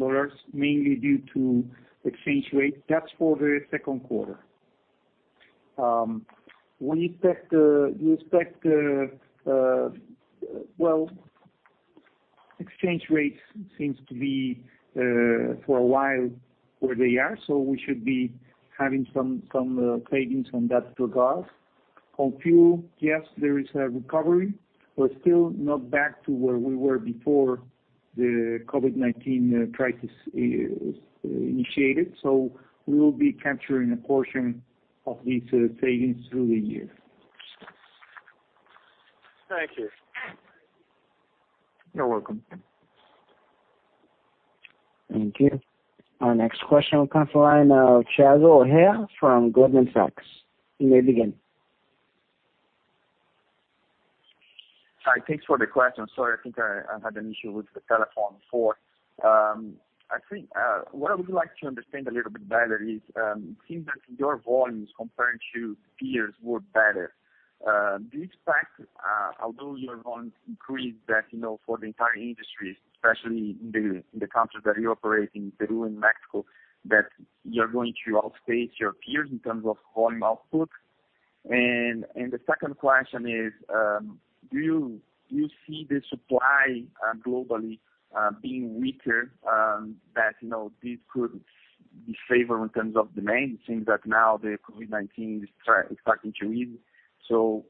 B: mainly due to exchange rate. That's for the second quarter. We expect. Well, exchange rates seem to be, for a while, where they are, so we should be having some savings in that regard. On fuel, yes, there is a recovery. We're still not back to where we were before the COVID-19 crisis initiated. So we will be capturing a portion of these savings through the year.
H: Thank you.
B: You're welcome.
A: Thank you. Our next question will come from the line of Thiago Ojea from Goldman Sachs. You may begin.
I: Hi. Thanks for the question. Sorry, I think I had an issue with the telephone before. I think what I would like to understand a little bit better is, since your volumes compared to peers were better, do you expect, although your volumes increased, that for the entire industry, especially in the countries that you operate in, Peru and Mexico, that you're going to outpace your peers in terms of volume output? And the second question is, do you see the supply globally being weaker, that this could be favorable in terms of demand, since now the COVID-19 is starting to ease? So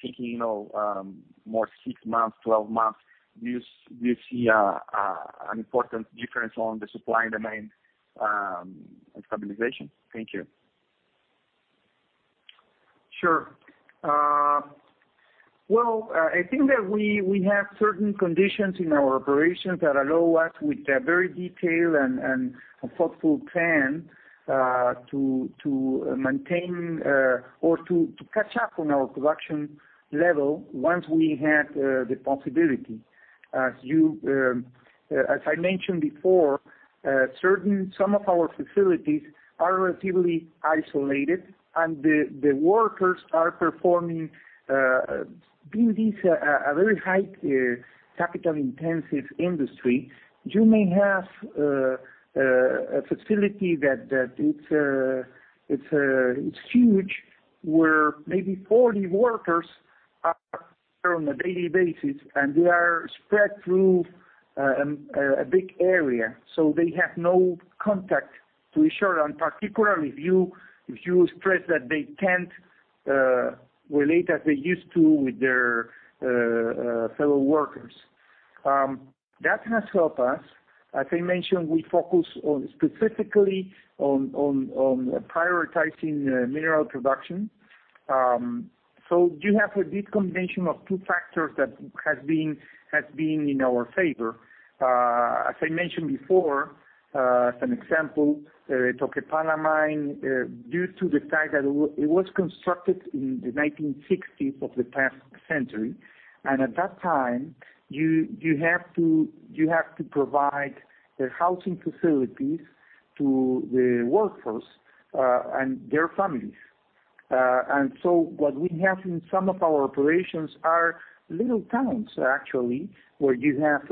I: thinking more six months, 12 months, do you see an important difference on the supply and demand stabilization? Thank you.
B: Sure. Well, I think that we have certain conditions in our operations that allow us, with a very detailed and thoughtful plan, to maintain or to catch up on our production level once we have the possibility. As I mentioned before, some of our facilities are relatively isolated, and the workers are performing, being this a very high capital-intensive industry, you may have a facility that it's huge, where maybe 40 workers are there on a daily basis, and they are spread through a big area. So they have no contact to each other, and particularly if you stress that they can't relate as they used to with their fellow workers. That has helped us. As I mentioned, we focus specifically on prioritizing mineral production. So you have this combination of two factors that has been in our favor. As I mentioned before, as an example, the Toquepala Mine, due to the fact that it was constructed in the 1960s of the past century, and at that time, you have to provide housing facilities to the workforce and their families. And so what we have in some of our operations are little towns, actually, where you have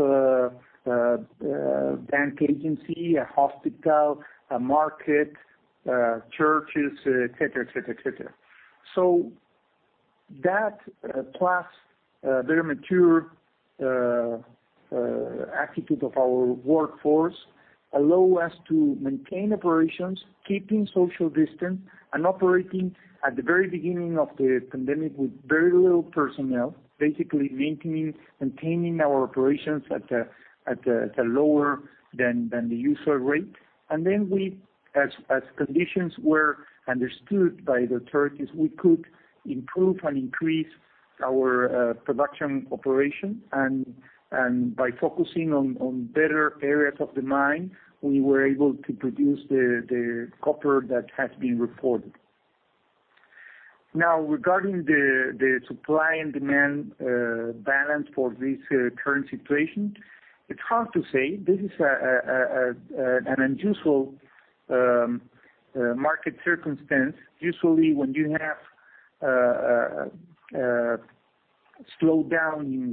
B: a bank agency, a hospital, a market, churches, etc., etc., etc. So that, plus the mature attitude of our workforce, allow us to maintain operations, keeping social distance, and operating at the very beginning of the pandemic with very little personnel, basically maintaining our operations at a lower than the usual rate. And then we, as conditions were understood by the authorities, we could improve and increase our production operation. And by focusing on better areas of the mine, we were able to produce the copper that has been reported. Now, regarding the supply and demand balance for this current situation, it's hard to say. This is an unusual market circumstance. Usually, when you have a slowdown in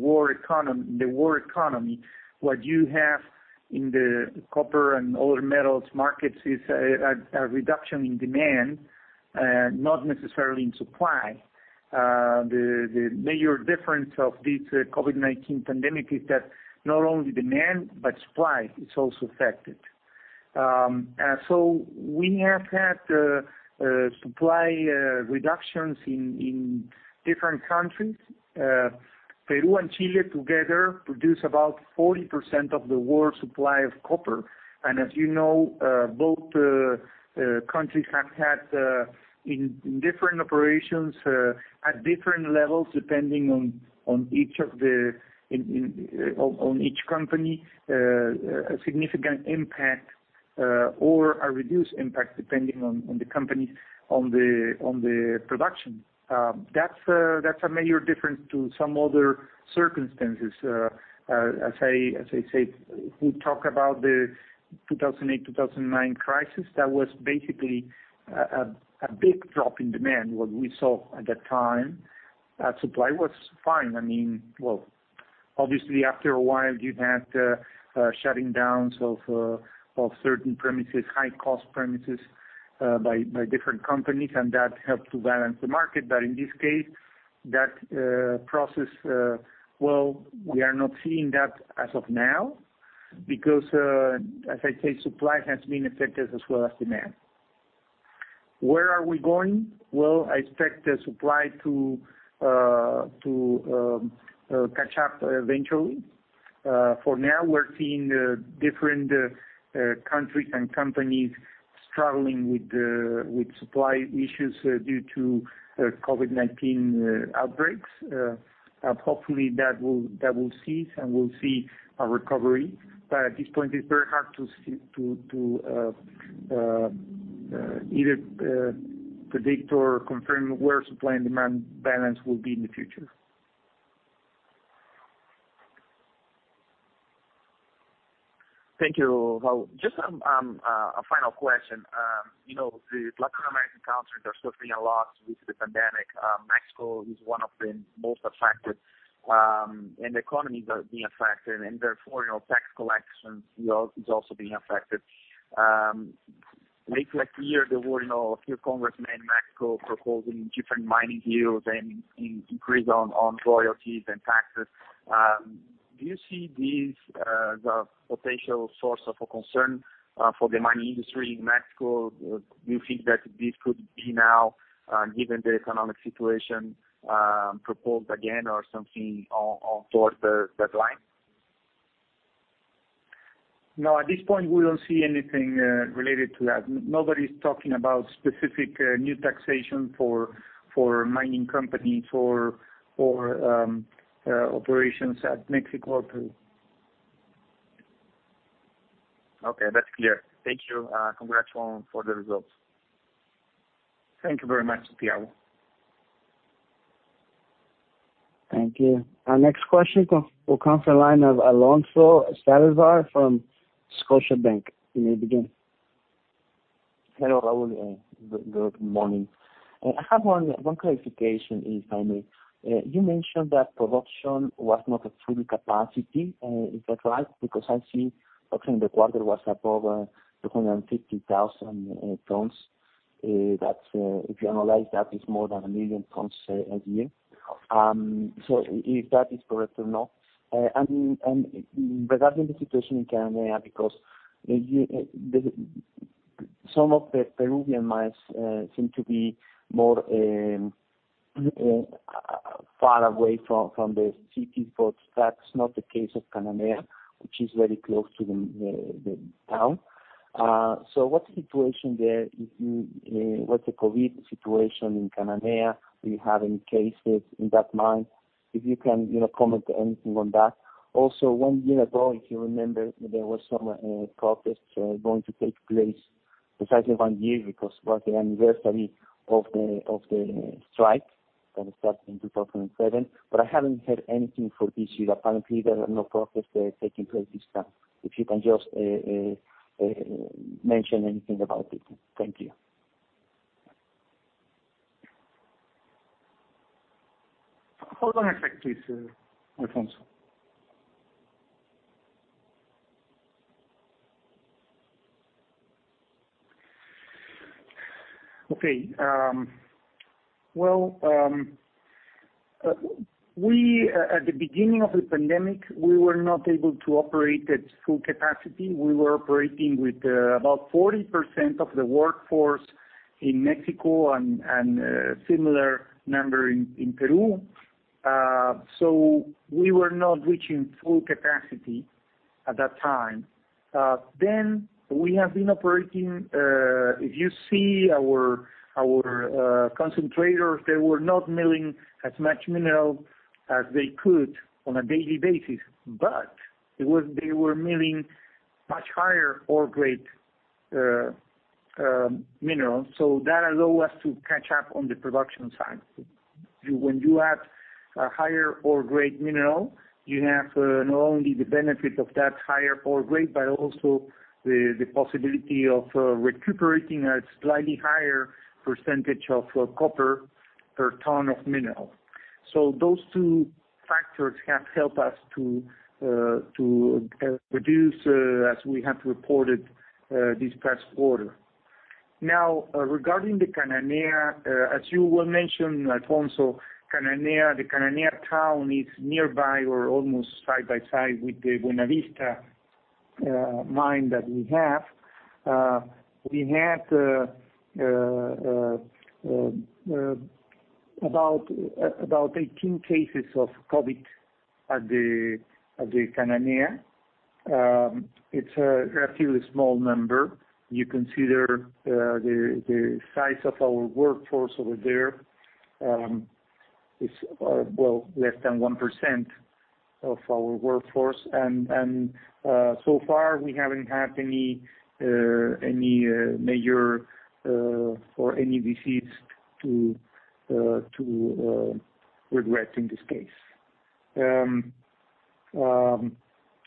B: the world economy, what you have in the copper and other metals markets is a reduction in demand, not necessarily in supply. The major difference of this COVID-19 pandemic is that not only demand, but supply is also affected. So we have had supply reductions in different countries. Peru and Chile together produce about 40% of the world's supply of copper. And as you know, both countries have had, in different operations, at different levels, depending on each company, a significant impact or a reduced impact, depending on the company's production. That's a major difference to some other circumstances. As I said, if we talk about the 2008, 2009 crisis, that was basically a big drop in demand, what we saw at that time. Supply was fine. I mean, well, obviously, after a while, you had shutdowns of certain premises, high-cost premises by different companies, and that helped to balance the market. But in this case, that process, well, we are not seeing that as of now because, as I said, supply has been affected as well as demand. Where are we going? Well, I expect the supply to catch up eventually. For now, we're seeing different countries and companies struggling with supply issues due to COVID-19 outbreaks. Hopefully, that will cease, and we'll see a recovery. But at this point, it's very hard to either predict or confirm where supply and demand balance will be in the future.
I: Thank you, Raul. Just a final question. The Latin American countries are suffering a lot with the pandemic. Mexico is one of the most affected, and the economy is being affected. And therefore, tax collection is also being affected. Late last year, there were a few congressmen in Mexico proposing different mining deals and increases on royalties and taxes. Do you see these as a potential source of concern for the mining industry in Mexico? Do you think that this could be now, given the economic situation, proposed again or something towards that line?
B: No, at this point, we don't see anything related to that. Nobody's talking about specific new taxation for mining companies or operations at Mexico or Peru.
I: Okay. That's clear. Thank you. Congrats for the results.
B: Thank you very much, Thiago.
A: Thank you. Our next question will come from the line of Alfonso Salazar from Scotiabank. You may begin.
J: Hello, Raul. Good morning. I have one clarification, if I may. You mentioned that production was not at full capacity. Is that right? Because I see the quarter was above 250,000 tons. If you analyze that, it's more than a million tons a year. So, if that is correct or not, and regarding the situation in Cananea, because some of the Peruvian mines seem to be more far away from the cities, but that's not the case of Cananea, which is very close to the town. So, what's the situation there? What's the COVID situation in Cananea? Do you have any cases in that mine? If you can comment on anything on that. Also, one year ago, if you remember, there were some protests going to take place, precisely one year, because it was the anniversary of the strike that started in 2007. But I haven't heard anything for this year. Apparently, there are no protests taking place this time. If you can just mention anything about it? Thank you.
B: Hold on a sec, please, Alfonso. At the beginning of the pandemic, we were not able to operate at full capacity. We were operating with about 40% of the workforce in Mexico and a similar number in Peru. We were not reaching full capacity at that time. Then we have been operating. If you see our concentrators, they were not milling as much mineral as they could on a daily basis, but they were milling much higher ore grade minerals. That allowed us to catch up on the production side. When you add a higher ore grade mineral, you have not only the benefit of that higher ore grade, but also the possibility of recuperating a slightly higher percentage of copper per ton of mineral. Those two factors have helped us to reduce, as we have reported this past quarter. Now, regarding the Cananea, as you well mentioned, Alfonso, the Cananea town is nearby or almost side by side with the Buenavista mine that we have. We had about 18 cases of COVID at the Cananea. It's a relatively small number. You consider the size of our workforce over there, it's less than 1% of our workforce. And so far, we haven't had any major or any disease to regret in this case.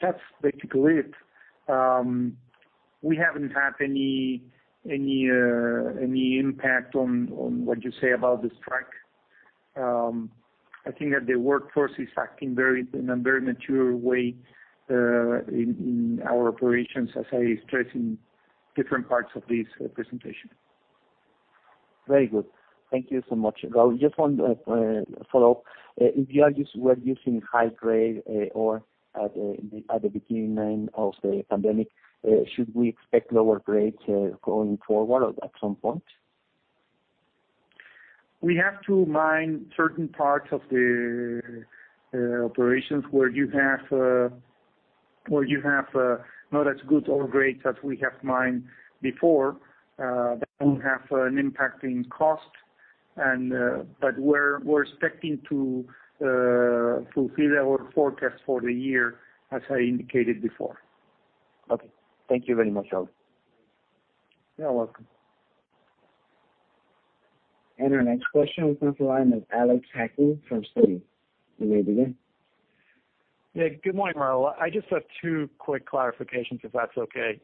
B: That's basically it. We haven't had any impact on what you say about the strike. I think that the workforce is acting in a very mature way in our operations, as I stressed in different parts of this presentation.
J: Very good. Thank you so much. Raul, just one follow-up. If you were using high-grade ore at the beginning of the pandemic, should we expect lower-grade going forward or at some point?
B: We have to mine certain parts of the operations where you have not as good ore grade as we have mined before. That will have an impact in cost, but we're expecting to fulfill our forecast for the year, as I indicated before.
J: Okay. Thank you very much, Raul.
B: You're welcome.
A: Our next question will come from the line of Alex Hacking from Citi. You may begin.
K: Yeah. Good morning, Raul. I just have two quick clarifications, if that's okay.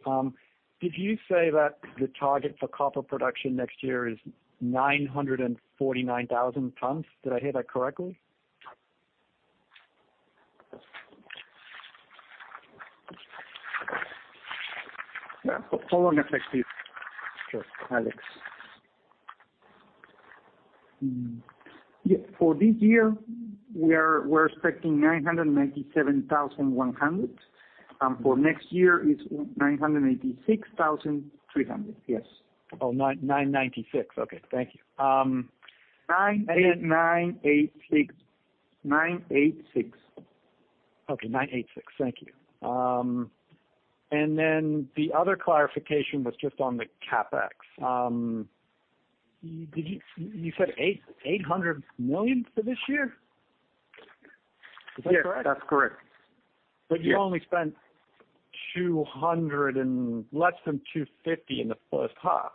K: Did you say that the target for copper production next year is 949,000 tons? Did I hear that correctly?
B: Yeah. Hold on a sec, please.
K: Sure.
B: Yeah. For this year, we're expecting 997,100, and for next year, it's 986,300. Yes. Oh, 996. Okay. 986. 986.
K: Okay. 986. Thank you. And then the other clarification was just on the CapEx. You said $800 million for this year? Is that correct?
B: Yes. That's correct.
K: But you only spent less than $250 in the first half.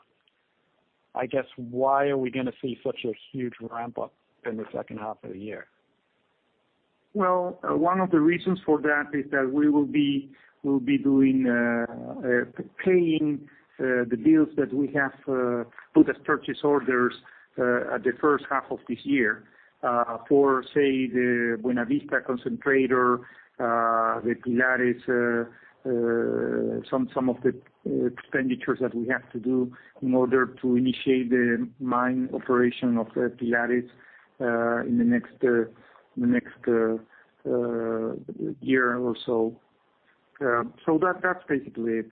K: I guess, why are we going to see such a huge ramp-up in the second half of the year?
B: One of the reasons for that is that we will be paying the bills that we have put as purchase orders at the first half of this year for, say, the Buenavista concentrator, the Pilares, some of the expenditures that we have to do in order to initiate the mine operation of the Pilares in the next year or so. So that's basically it.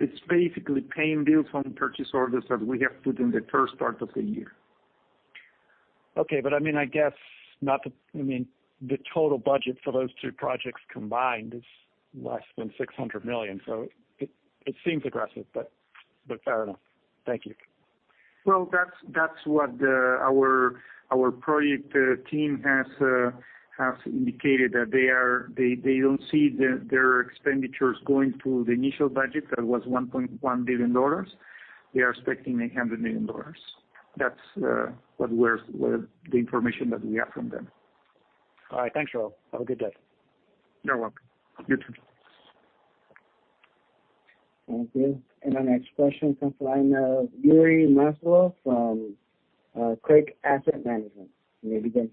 B: It's basically paying bills on purchase orders that we have put in the first part of the year.
K: Okay. But I mean, I guess, I mean, the total budget for those two projects combined is less than $600 million. So it seems aggressive, but fair enough. Thank you.
B: That's what our project team has indicated, that they don't see their expenditures going to the initial budget that was $1.1 billion. They are expecting $800 million. That's the information that we have from them.
K: All right. Thanks, Raul. Have a good day.
B: You're welcome. You too.
A: Thank you. And our next question comes from Yuri Maslov from Crake Asset Management. You may begin.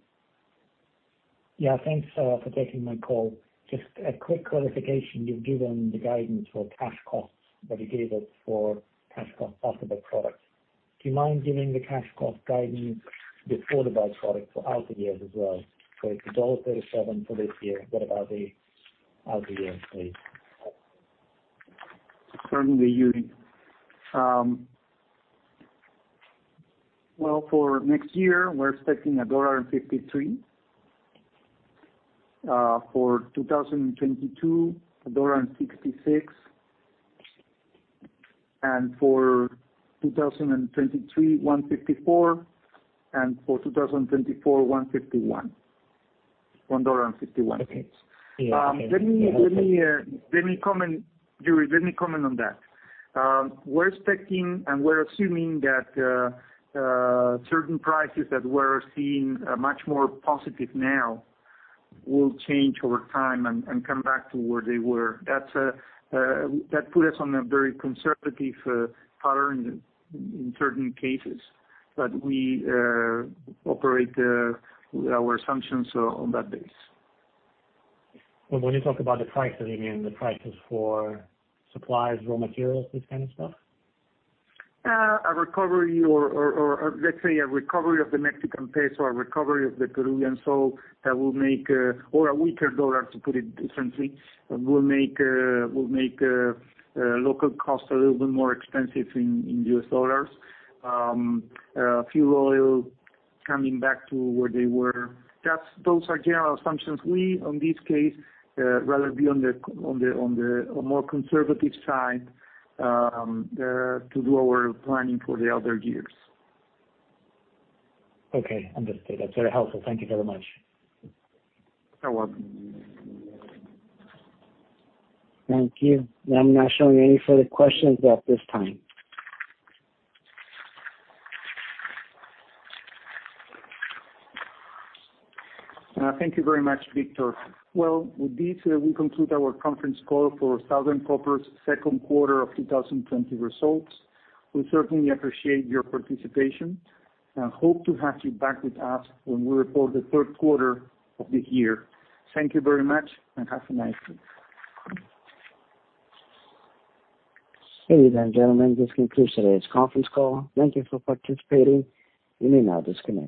L: Yeah. Thanks for taking my call. Just a quick clarification. You've given the guidance for cash costs, but you gave it for cash costs of the byproduct. Do you mind giving the cash cost guidance before the byproduct for outer years as well? So it's $1.37 for this year. What about the outer years, please?
B: Certainly, Yuri. Well, for next year, we're expecting $1.53. For 2022, $1.66. And for 2023, $1.54. And for 2024, $1.51.
L: Okay. Okay. Thank you.
B: Let me comment, Yuri, let me comment on that. We're expecting and we're assuming that certain prices that we're seeing are much more positive now will change over time and come back to where they were. That put us on a very conservative pattern in certain cases. But we operate with our assumptions on that base.
L: When you talk about the prices, you mean the prices for supplies, raw materials, this kind of stuff?
B: A recovery or, let's say, a recovery of the Mexican peso or a recovery of the Peruvian sol that will make or a weaker dollar, to put it differently, will make local costs a little bit more expensive in U.S. dollars. Fuel oil coming back to where they were. Those are general assumptions. We, in this case, rather be on the more conservative side to do our planning for the other years.
L: Okay. Understood. That's very helpful. Thank you very much.
B: You're welcome.
A: Thank you. I'm not showing any further questions at this time.
B: Thank you very much, Victor. With this, we conclude our conference call for Southern Copper's second quarter of 2020 results. We certainly appreciate your participation and hope to have you back with us when we report the third quarter of this year. Thank you very much, and have a nice day.
A: Ladies and gentlemen, this concludes today's conference call. Thank you for participating. You may now disconnect.